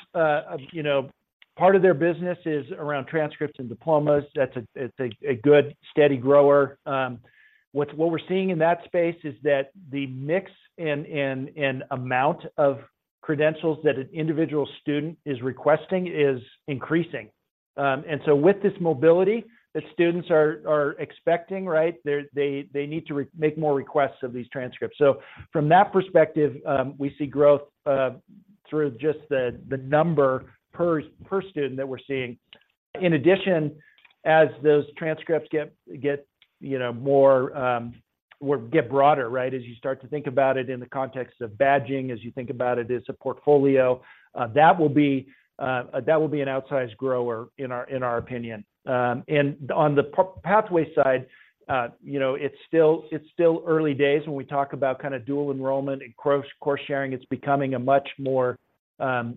Speaker 3: you know, part of their business is around transcripts and diplomas. That's a, it's a good steady grower. What we're seeing in that space is that the mix and amount of credentials that an individual student is requesting is increasing. And so with this mobility that students are expecting, right? They need to make more requests of these transcripts. So from that perspective, we see growth through just the number per student that we're seeing. In addition, as those transcripts get you know more or get broader, right? As you start to think about it in the context of badging, as you think about it as a portfolio, that will be an outsized grower in our opinion. And on the pathway side, you know, it's still early days when we talk about kind of dual enrollment and course sharing. It's becoming much more of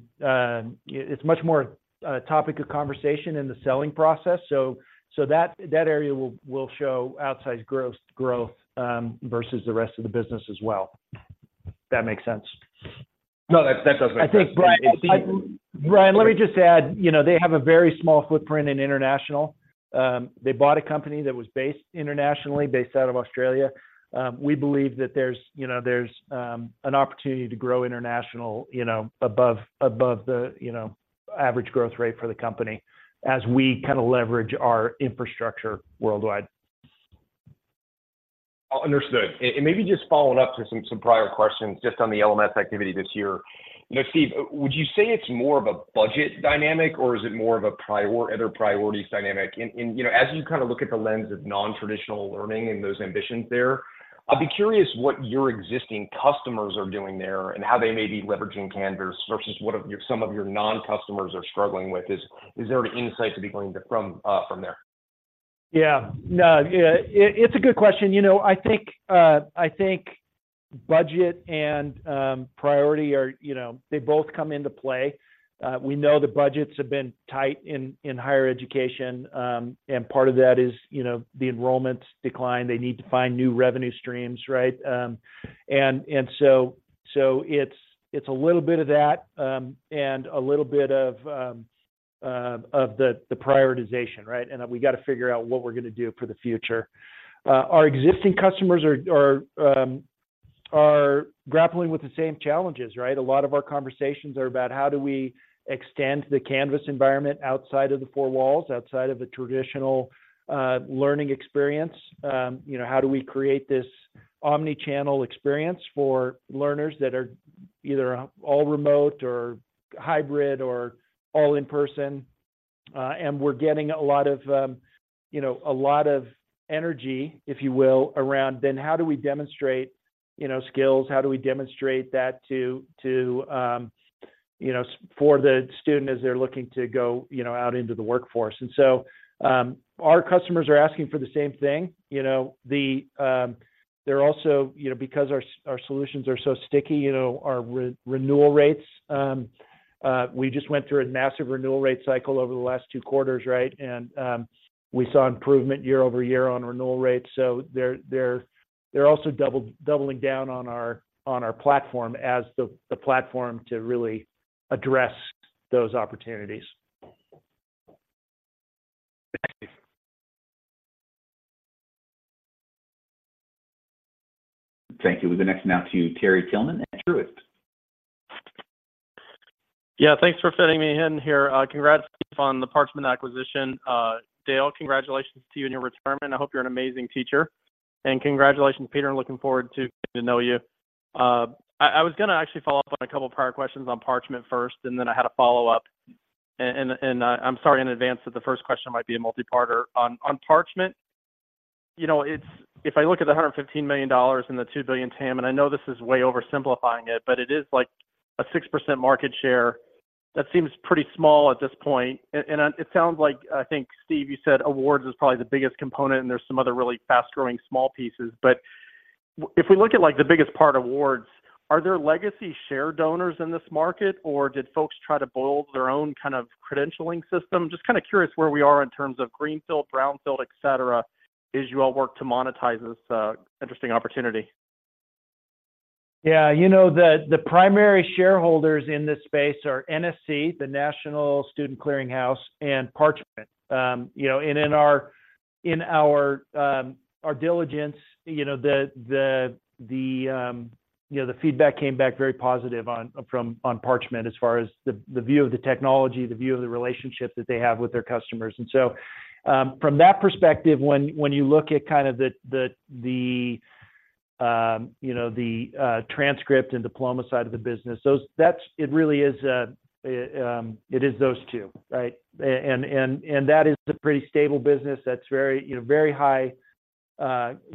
Speaker 3: a topic of conversation in the selling process. So that area will show outsized gross growth versus the rest of the business as well. If that makes sense.
Speaker 11: No, that does make sense.
Speaker 3: I think, Brian, Brian, let me just add, you know, they have a very small footprint in international. They bought a company that was based internationally, based out of Australia. We believe that there's, you know, there's, an opportunity to grow international, you know, above, above the, you know, average growth rate for the company as we kinda leverage our infrastructure worldwide.
Speaker 11: Understood. And, and maybe just following up to some, some prior questions, just on the LMS activity this year. You know, Steve, would you say it's more of a budget dynamic, or is it more of a prior-- other priorities dynamic? And, and, you know, as you kinda look at the lens of non-traditional learning and those ambitions there, I'd be curious what your existing customers are doing there and how they may be leveraging Canvas versus what of your-- some of your non-customers are struggling with. Is, is there any insight to be gained from, from there?
Speaker 3: Yeah. No, yeah, it's a good question. You know, I think, I think budget and, priority are, you know, they both come into play. We know the budgets have been tight in, in higher education, and part of that is, you know, the enrollments decline. They need to find new revenue streams, right? And, and so, so it's, it's a little bit of that, and a little bit of, of the, the prioritization, right? And we gotta figure out what we're gonna do for the future. Our existing customers are, are, are grappling with the same challenges, right? A lot of our conversations are about how do we extend the Canvas environment outside of the four walls, outside of the traditional, learning experience. You know, how do we create this omni-channel experience for learners that are either all remote, or hybrid, or all in person? And we're getting a lot of, you know, a lot of energy, if you will, around then how do we demonstrate, you know, skills? How do we demonstrate that to you know, for the student as they're looking to go, you know, out into the workforce? And so, our customers are asking for the same thing. You know, the, they're also you know, because our solutions are so sticky, you know, our renewal rates, we just went through a massive renewal rate cycle over the last two quarters, right? And, we saw improvement year-over-year on renewal rates. They're also doubling down on our platform as the platform to really address those opportunities.
Speaker 11: Thank you.
Speaker 1: Thank you. We're next now to Terry Tillman at Truist.
Speaker 12: Yeah, thanks for fitting me in here. Congrats, Steve, on the Parchment acquisition. Dale, congratulations to you on your retirement. I hope you're an amazing teacher. And congratulations, Peter, I'm looking forward to getting to know you. I was gonna actually follow up on a couple of prior questions on Parchment first, and then I had a follow-up. I'm sorry in advance that the first question might be a multi-parter. On Parchment, you know, it's if I look at the $115 million and the $2 billion TAM, and I know this is way oversimplifying it, but it is like a 6% market share. That seems pretty small at this point. It sounds like, I think, Steve, you said awards is probably the biggest component, and there's some other really fast-growing small pieces. But if we look at, like, the biggest players, are there legacy players in this market, or did folks try to build their own kind of credentialing system? Just kinda curious where we are in terms of greenfield, brownfield, et cetera, as you all work to monetize this interesting opportunity.
Speaker 3: Yeah, you know, the primary shareholders in this space are NSC, the National Student Clearinghouse, and Parchment. You know, and in our diligence, you know, the feedback came back very positive on Parchment, as far as the view of the technology, the view of the relationship that they have with their customers. And so, from that perspective, when you look at kind of the transcript and diploma side of the business, those, that's, it really is, it is those two, right? And that is a pretty stable business that's very, you know, very high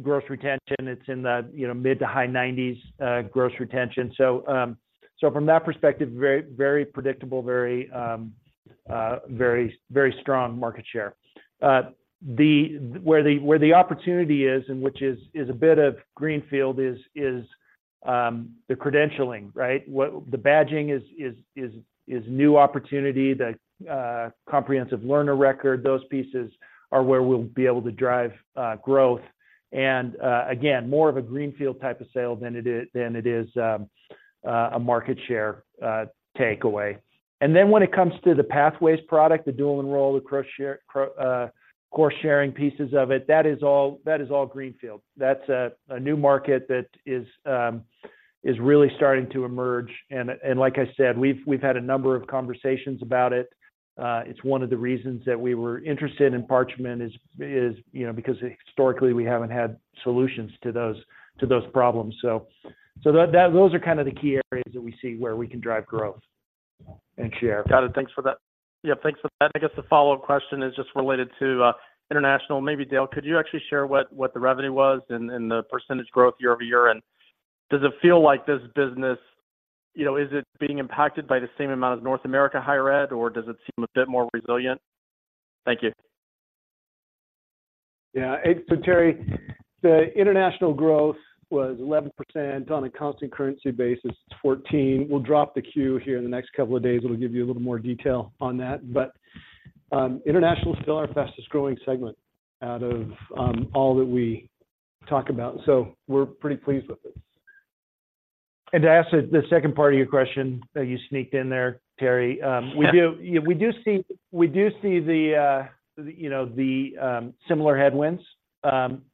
Speaker 3: gross retention. It's in the, you know, mid- to high-90s% gross retention. So from that perspective, very, very predictable, very, very strong market share. Where the opportunity is, which is a bit of greenfield, is the credentialing, right? What the badging is a new opportunity. The Comprehensive Learner Record, those pieces are where we'll be able to drive growth. And again, more of a greenfield type of sale than it is a market share takeaway. And then when it comes to the pathways product, the dual enrollment, the course-sharing pieces of it, that is all greenfield. That's a new market that is really starting to emerge, and like I said, we've had a number of conversations about it. It's one of the reasons that we were interested in Parchment is, you know, because historically, we haven't had solutions to those problems. So, those are kind of the key areas that we see where we can drive growth and share.
Speaker 12: Got it. Thanks for that. Yeah, thanks for that. I guess the follow-up question is just related to international. Maybe Dale, could you actually share what the revenue was and the percentage growth year-over-year? And does it feel like this business... You know, is it being impacted by the same amount of North America higher ed, or does it seem a bit more resilient? Thank you....
Speaker 3: Yeah. And so Terry, the international growth was 11% on a constant currency basis, it's 14. We'll drop the Q here in the next couple of days. It'll give you a little more detail on that. But, international is still our fastest-growing segment out of, all that we talk about. So we're pretty pleased with this. And to answer the second part of your question that you sneaked in there, Terry, we do-
Speaker 12: Yeah.
Speaker 3: We do see, you know, the similar headwinds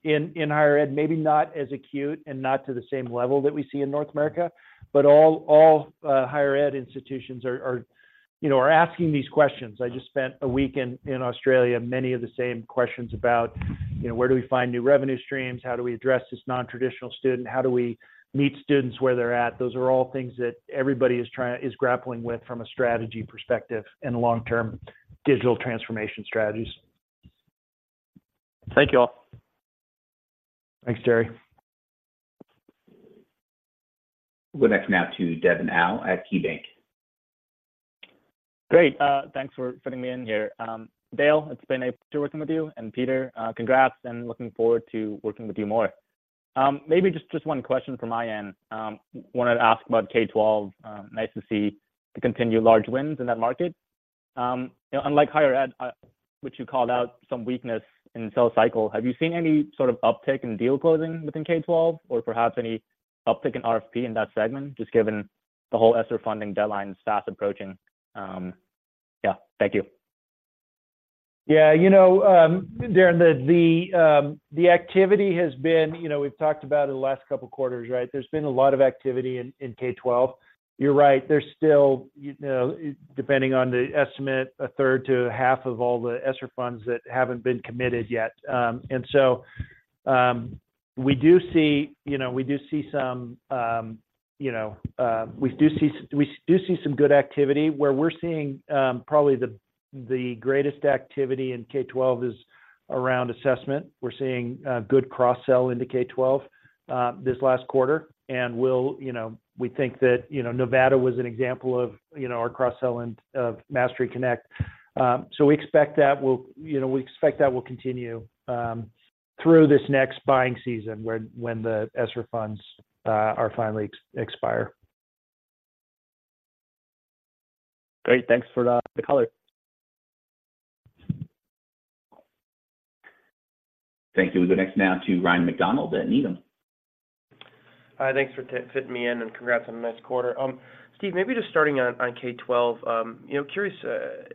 Speaker 3: in higher ed. Maybe not as acute and not to the same level that we see in North America, but all higher ed institutions are, you know, asking these questions. I just spent a week in Australia, many of the same questions about, you know, where do we find new revenue streams? How do we address this nontraditional student? How do we meet students where they're at? Those are all things that everybody is grappling with from a strategy perspective and long-term digital transformation strategies.
Speaker 12: Thank you all.
Speaker 3: Thanks, Terry.
Speaker 1: We'll go next now to Devin Au at KeyBanc.
Speaker 13: Great, thanks for fitting me in here. Dale, it's been a pleasure working with you, and Peter, congrats, and looking forward to working with you more. Maybe just, just one question from my end. Wanted to ask about K-12. Nice to see the continued large wins in that market. You know, unlike higher ed, which you called out some weakness in sales cycle, have you seen any sort of uptick in deal closing within K-12, or perhaps any uptick in RFP in that segment? Just given the whole ESSER funding deadline fast approaching. Yeah. Thank you.
Speaker 3: Yeah, you know, then, the activity has been, you know, we've talked about it the last couple quarters, right? There's been a lot of activity in K-12. You're right, there's still, you know, depending on the estimate, a third to half of all the ESSER funds that haven't been committed yet. So, we do see, you know, we do see some good activity. Where we're seeing probably the greatest activity in K-12 is around assessment. We're seeing good cross-sell into K-12 this last quarter, and we'll, you know, we think that, you know, Nevada was an example of our cross-sell and of MasteryConnect. So we expect that will, you know, we expect that will continue through this next buying season, when the ESSER Funds are finally expire.
Speaker 13: Great. Thanks for the color.
Speaker 1: Thank you. We go next now to Ryan MacDonald at Needham.
Speaker 14: Hi, thanks for fitting me in, and congrats on a nice quarter. Steve, maybe just starting on K-12, you know, curious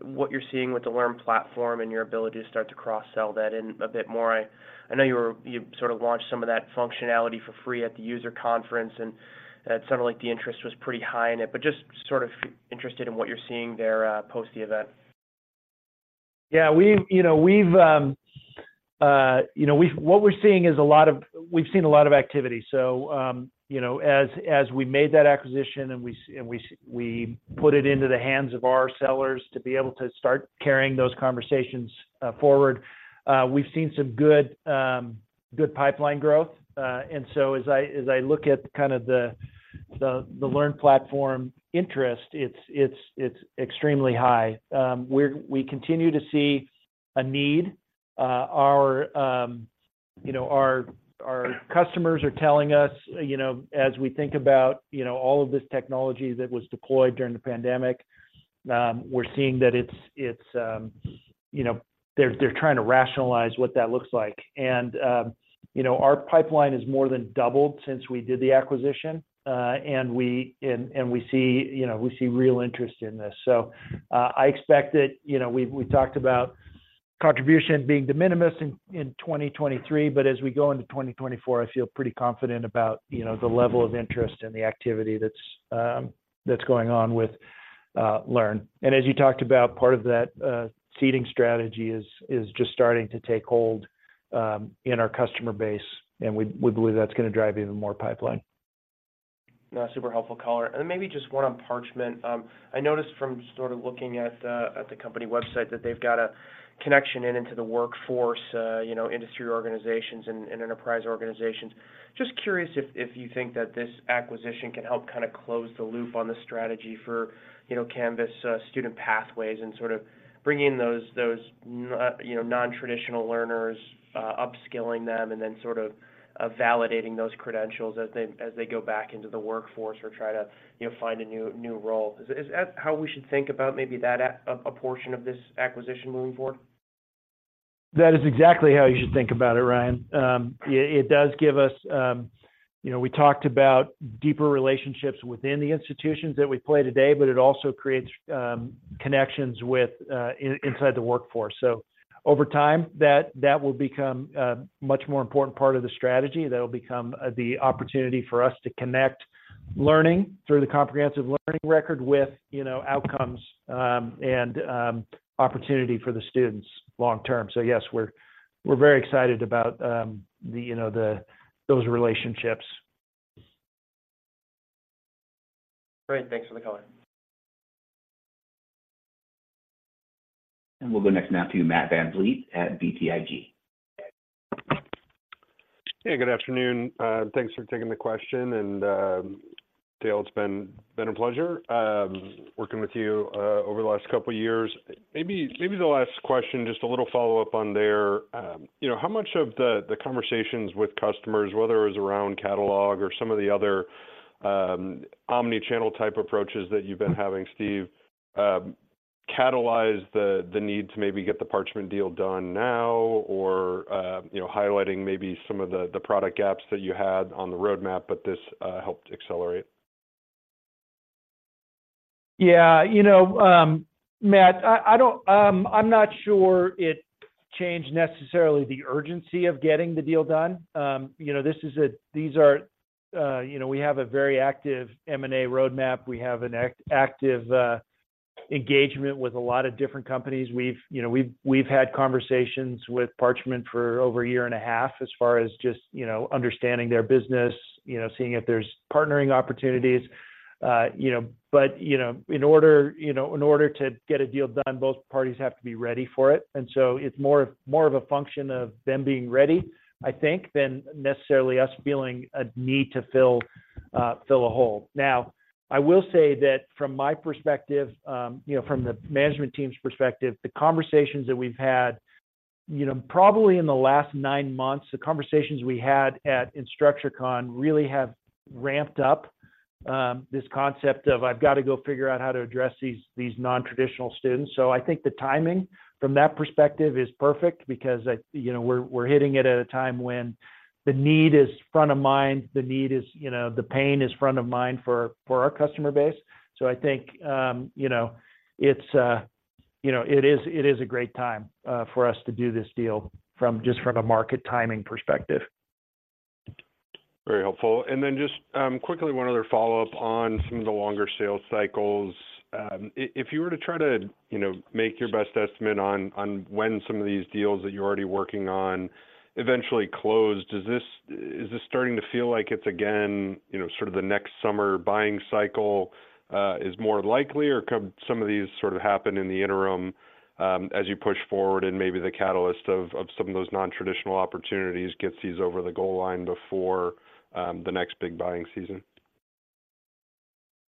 Speaker 14: what you're seeing with the LearnPlatform and your ability to start to cross-sell that in a bit more. I know you sort of launched some of that functionality for free at the user conference, and it sounded like the interest was pretty high in it, but just sort of interested in what you're seeing there post the event.
Speaker 3: Yeah, you know, what we're seeing is a lot of activity. We've seen a lot of activity. So, you know, as we made that acquisition and we put it into the hands of our sellers to be able to start carrying those conversations forward, we've seen some good pipeline growth. And so as I look at kind of the LearnPlatform interest, it's extremely high. We continue to see a need. Our you know our customers are telling us, you know, as we think about you know all of this technology that was deployed during the pandemic, we're seeing that it's you know they're trying to rationalize what that looks like. You know, our pipeline has more than doubled since we did the acquisition. And we see, you know, we see real interest in this. So, I expect that, you know, we've, we talked about contribution being de minimis in 2023, but as we go into 2024, I feel pretty confident about, you know, the level of interest and the activity that's going on with Learn. And as you talked about, part of that seeding strategy is just starting to take hold in our customer base, and we believe that's gonna drive even more pipeline.
Speaker 14: Super helpful color. Maybe just one on Parchment. I noticed from sort of looking at the company website, that they've got a connection into the workforce, you know, industry organizations and enterprise organizations. Just curious if you think that this acquisition can help kinda close the loop on the strategy for, you know, Canvas, student pathways, and sort of bringing those non-traditional learners, upskilling them, and then sort of validating those credentials as they go back into the workforce or try to, you know, find a new role. Is that how we should think about maybe that a portion of this acquisition moving forward?
Speaker 3: That is exactly how you should think about it, Ryan. It does give us, you know, we talked about deeper relationships within the institutions that we play today, but it also creates connections with inside the workforce. So over time, that will become a much more important part of the strategy. That'll become the opportunity for us to connect learning through the comprehensive learning record with, you know, outcomes, and opportunity for the students long term. So yes, we're very excited about, you know, those relationships.
Speaker 14: Great. Thanks for the color.
Speaker 1: We'll go next now to Matt Van Fleet at BTIG....
Speaker 15: Hey, good afternoon. Thanks for taking the question. And, Dale, it's been a pleasure working with you over the last couple of years. Maybe the last question, just a little follow-up on there. You know, how much of the conversations with customers, whether it was around catalog or some of the other omni-channel type approaches that you've been having, Steve, catalyzed the need to maybe get the Parchment deal done now, or, you know, highlighting maybe some of the product gaps that you had on the roadmap, but this helped accelerate?
Speaker 3: Yeah, you know, Matt, I don't, I'm not sure it changed necessarily the urgency of getting the deal done. You know, this is. These are, you know, we have a very active M&A roadmap. We have an active engagement with a lot of different companies. We've, you know, had conversations with Parchment for over a year and a half as far as just, you know, understanding their business, you know, seeing if there's partnering opportunities, you know. But, you know, in order to get a deal done, both parties have to be ready for it. And so it's more of a function of them being ready, I think, than necessarily us feeling a need to fill a hole. Now, I will say that from my perspective, you know, from the management team's perspective, the conversations that we've had, you know, probably in the last nine months, the conversations we had at InstructureCon really have ramped up this concept of I've got to go figure out how to address these, these nontraditional students. So I think the timing from that perspective is perfect because, you know, we're, we're hitting it at a time when the need is front of mind, the need is, you know, the pain is front of mind for, for our customer base. So I think, you know, it's, you know, it is, it is a great time for us to do this deal from just from a market timing perspective.
Speaker 15: Very helpful. And then just, quickly, one other follow-up on some of the longer sales cycles. If you were to try to, you know, make your best estimate on when some of these deals that you're already working on eventually closed, is this starting to feel like it's again, you know, sort of the next summer buying cycle is more likely, or could some of these sort of happen in the interim, as you push forward and maybe the catalyst of some of those nontraditional opportunities gets these over the goal line before the next big buying season?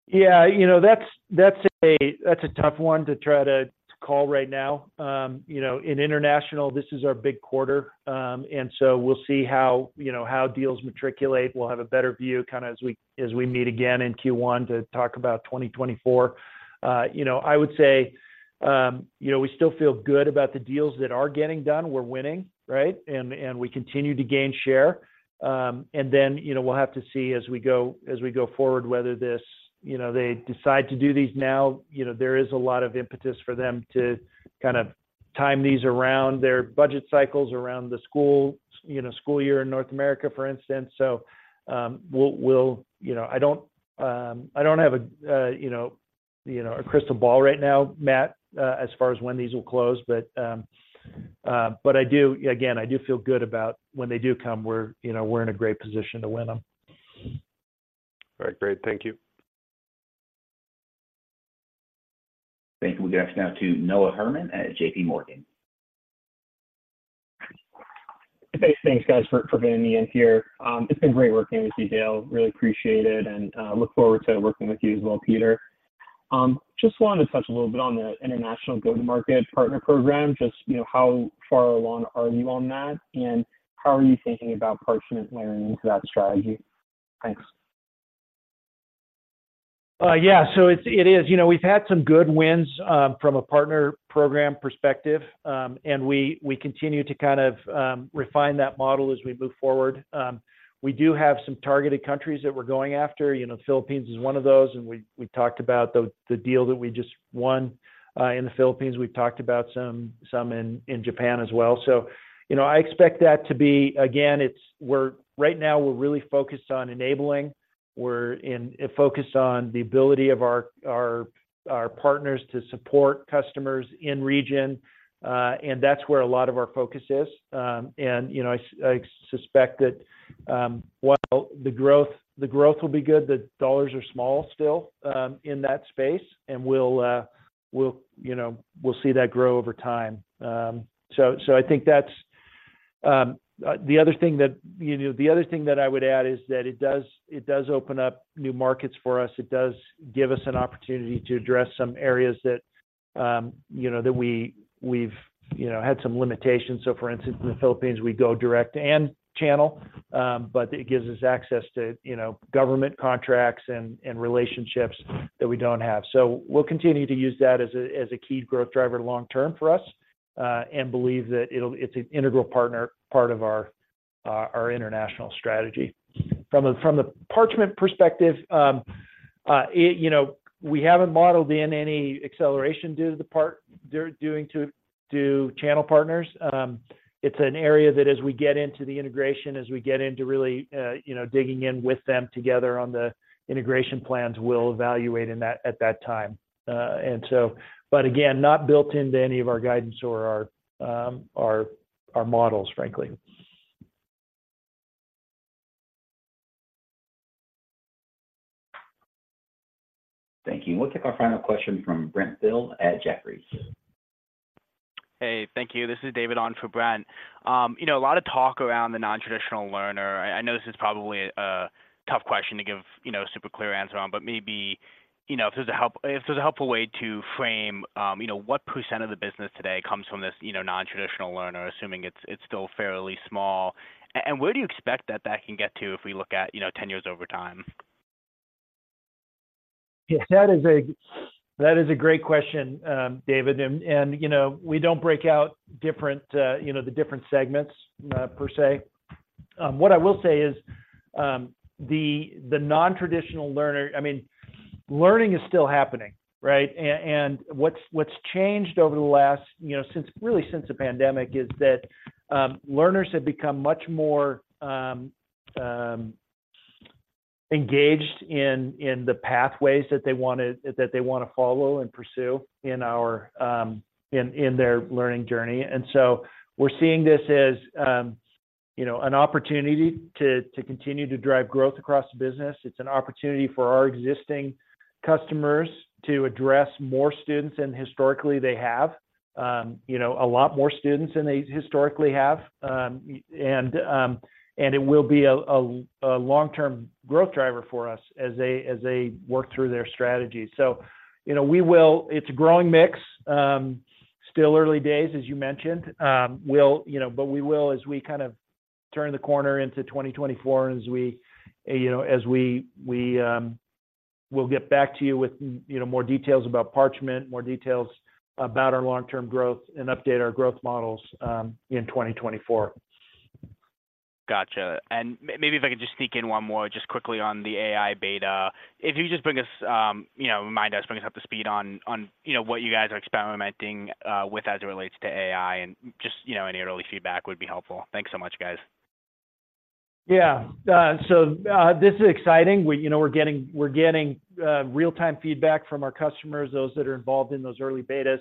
Speaker 3: Yeah, you know, that's a tough one to try to call right now. You know, in international, this is our big quarter. And so we'll see how, you know, how deals matriculate. We'll have a better view kinda as we meet again in Q1 to talk about 2024. You know, I would say, you know, we still feel good about the deals that are getting done. We're winning, right? And we continue to gain share. And then, you know, we'll have to see as we go forward, whether this, you know, they decide to do these now. You know, there is a lot of impetus for them to kind of time these around their budget cycles, around the school, you know, school year in North America, for instance. So, we'll, you know, I don't have a, you know, a crystal ball right now, Matt, as far as when these will close, but I do... Again, I do feel good about when they do come, you know, we're in a great position to win them.
Speaker 15: All right, great. Thank you.
Speaker 1: Thank you. We go next now to Noah Herman at JP Morgan.
Speaker 16: Hey, thanks, guys, for bringing me in here. It's been great working with you, Dale. Really appreciate it, and look forward to working with you as well, Peter. Just wanted to touch a little bit on the international go-to-market partner program. Just, you know, how far along are you on that, and how are you thinking about Parchment layering into that strategy? Thanks.
Speaker 3: Yeah, so it is. You know, we've had some good wins from a partner program perspective. And we continue to kind of refine that model as we move forward. We do have some targeted countries that we're going after. You know, Philippines is one of those, and we talked about the deal that we just won in the Philippines. We've talked about some in Japan as well. So, you know, I expect that to be, again, right now, we're really focused on enabling. We're focused on the ability of our partners to support customers in region, and that's where a lot of our focus is. And, you know, I suspect that while the growth, the growth will be good, the dollars are small still in that space, and we'll, you know, we'll see that grow over time. So, so I think that's... The other thing that, you know, the other thing that I would add is that it does, it does open up new markets for us. It does give us an opportunity to address some areas that, you know, that we, we've, you know, had some limitations. So for instance, in the Philippines, we go direct and channel, but it gives us access to, you know, government contracts and relationships that we don't have. So we'll continue to use that as a key growth driver long term for us, and believe that it'll—it's an integral partner, part of our international strategy. From the Parchment perspective, you know, we haven't modeled in any acceleration due to the part they're doing to channel partners. It's an area that as we get into the integration, as we get into really digging in with them together on the integration plans, we'll evaluate at that time. And so, but again, not built into any of our guidance or our models, frankly....
Speaker 1: Thank you. We'll take our final question from Brent Thill at Jefferies.
Speaker 17: Hey, thank you. This is David on for Brent. You know, a lot of talk around the non-traditional learner. I know this is probably a tough question to give, you know, super clear answer on, but maybe, you know, if there's a helpful way to frame, you know, what % of the business today comes from this, you know, non-traditional learner, assuming it's still fairly small. And where do you expect that that can get to if we look at, you know, 10 years over time?
Speaker 3: Yeah, that is a, that is a great question, David. And, and, you know, we don't break out different, you know, the different segments, per se. What I will say is, the, the non-traditional learner—I mean, learning is still happening, right? And what's, what's changed over the last, you know, since—really, since the pandemic, is that, learners have become much more, engaged in, in the pathways that they wanna, that they wanna follow and pursue in our, in, in their learning journey. And so we're seeing this as, you know, an opportunity to, to continue to drive growth across the business. It's an opportunity for our existing customers to address more students than historically they have. You know, a lot more students than they historically have. And it will be a long-term growth driver for us as they work through their strategy. So, you know, we will. It's a growing mix. Still early days, as you mentioned. We'll, you know, but we will, as we kind of turn the corner into 2024, and as we, you know, as we, we'll get back to you with, you know, more details about Parchment, more details about our long-term growth, and update our growth models in 2024.
Speaker 17: Gotcha. And maybe if I could just sneak in one more, just quickly on the AI beta. If you could just bring us, you know, remind us, bring us up to speed on, on, you know, what you guys are experimenting with as it relates to AI and just, you know, any early feedback would be helpful. Thanks so much, guys.
Speaker 3: Yeah. So, this is exciting. We, you know, we're getting, we're getting, real-time feedback from our customers, those that are involved in those early betas.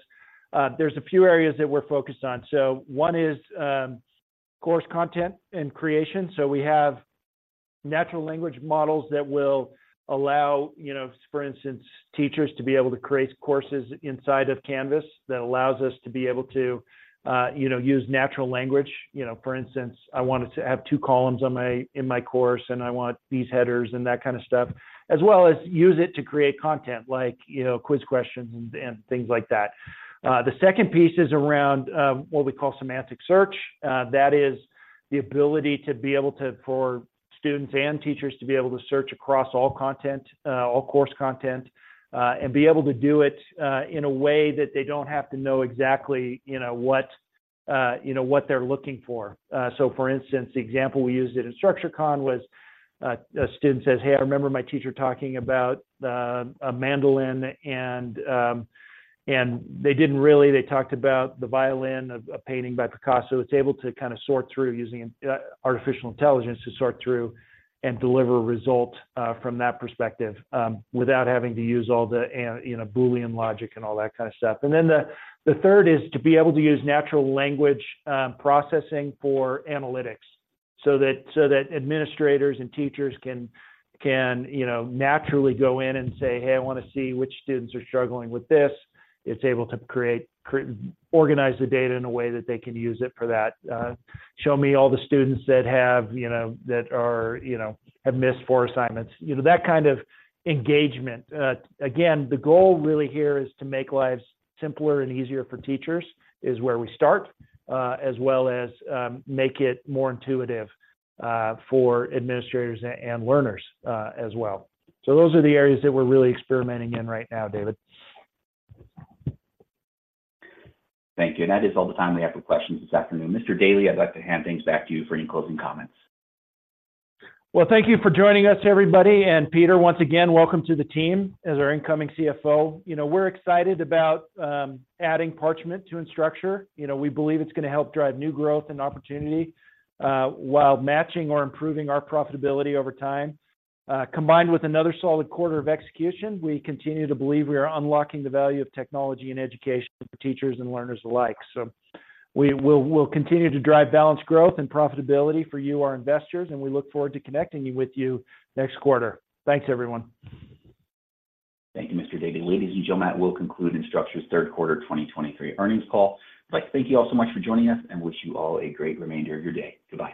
Speaker 3: There's a few areas that we're focused on. So one is, course content and creation. So we have natural language models that will allow, you know, for instance, teachers to be able to create courses inside of Canvas that allows us to be able to, you know, use natural language. You know, for instance, I wanted to have two columns on my-- in my course, and I want these headers and that kind of stuff, as well as use it to create content like, you know, quiz questions and, and things like that. The second piece is around, what we call semantic search. That is the ability to be able to, for students and teachers to be able to search across all content, all course content, and be able to do it, in a way that they don't have to know exactly, you know, what, you know, what they're looking for. So for instance, the example we used it in InstructureCon was, a student says, "Hey, I remember my teacher talking about a mandolin," and, and they didn't really. They talked about the violin, a painting by Picasso. It's able to kind of sort through using artificial intelligence to sort through and deliver results, from that perspective, without having to use all the, you know, Boolean logic and all that kind of stuff. And then the third is to be able to use natural language processing for analytics, so that administrators and teachers can, you know, naturally go in and say, "Hey, I wanna see which students are struggling with this." It's able to organize the data in a way that they can use it for that. Show me all the students that have, you know, that are, you know, have missed four assignments. You know, that kind of engagement. Again, the goal really here is to make lives simpler and easier for teachers, is where we start. As well as make it more intuitive for administrators and learners as well. So those are the areas that we're really experimenting in right now, David.
Speaker 17: Thank you. That is all the time we have for questions this afternoon. Mr. Daly, I'd like to hand things back to you for any closing comments.
Speaker 3: Well, thank you for joining us, everybody. And Peter, once again, welcome to the team as our incoming CFO. You know, we're excited about adding Parchment to Instructure. You know, we believe it's gonna help drive new growth and opportunity while matching or improving our profitability over time. Combined with another solid quarter of execution, we continue to believe we are unlocking the value of technology and education for teachers and learners alike. So we'll continue to drive balanced growth and profitability for you, our investors, and we look forward to connecting you with you next quarter. Thanks, everyone.
Speaker 1: Thank you, Mr. Daly. Ladies and gentlemen, that will conclude Instructure's third quarter 2023 earnings call. I'd like to thank you all so much for joining us and wish you all a great remainder of your day. Goodbye.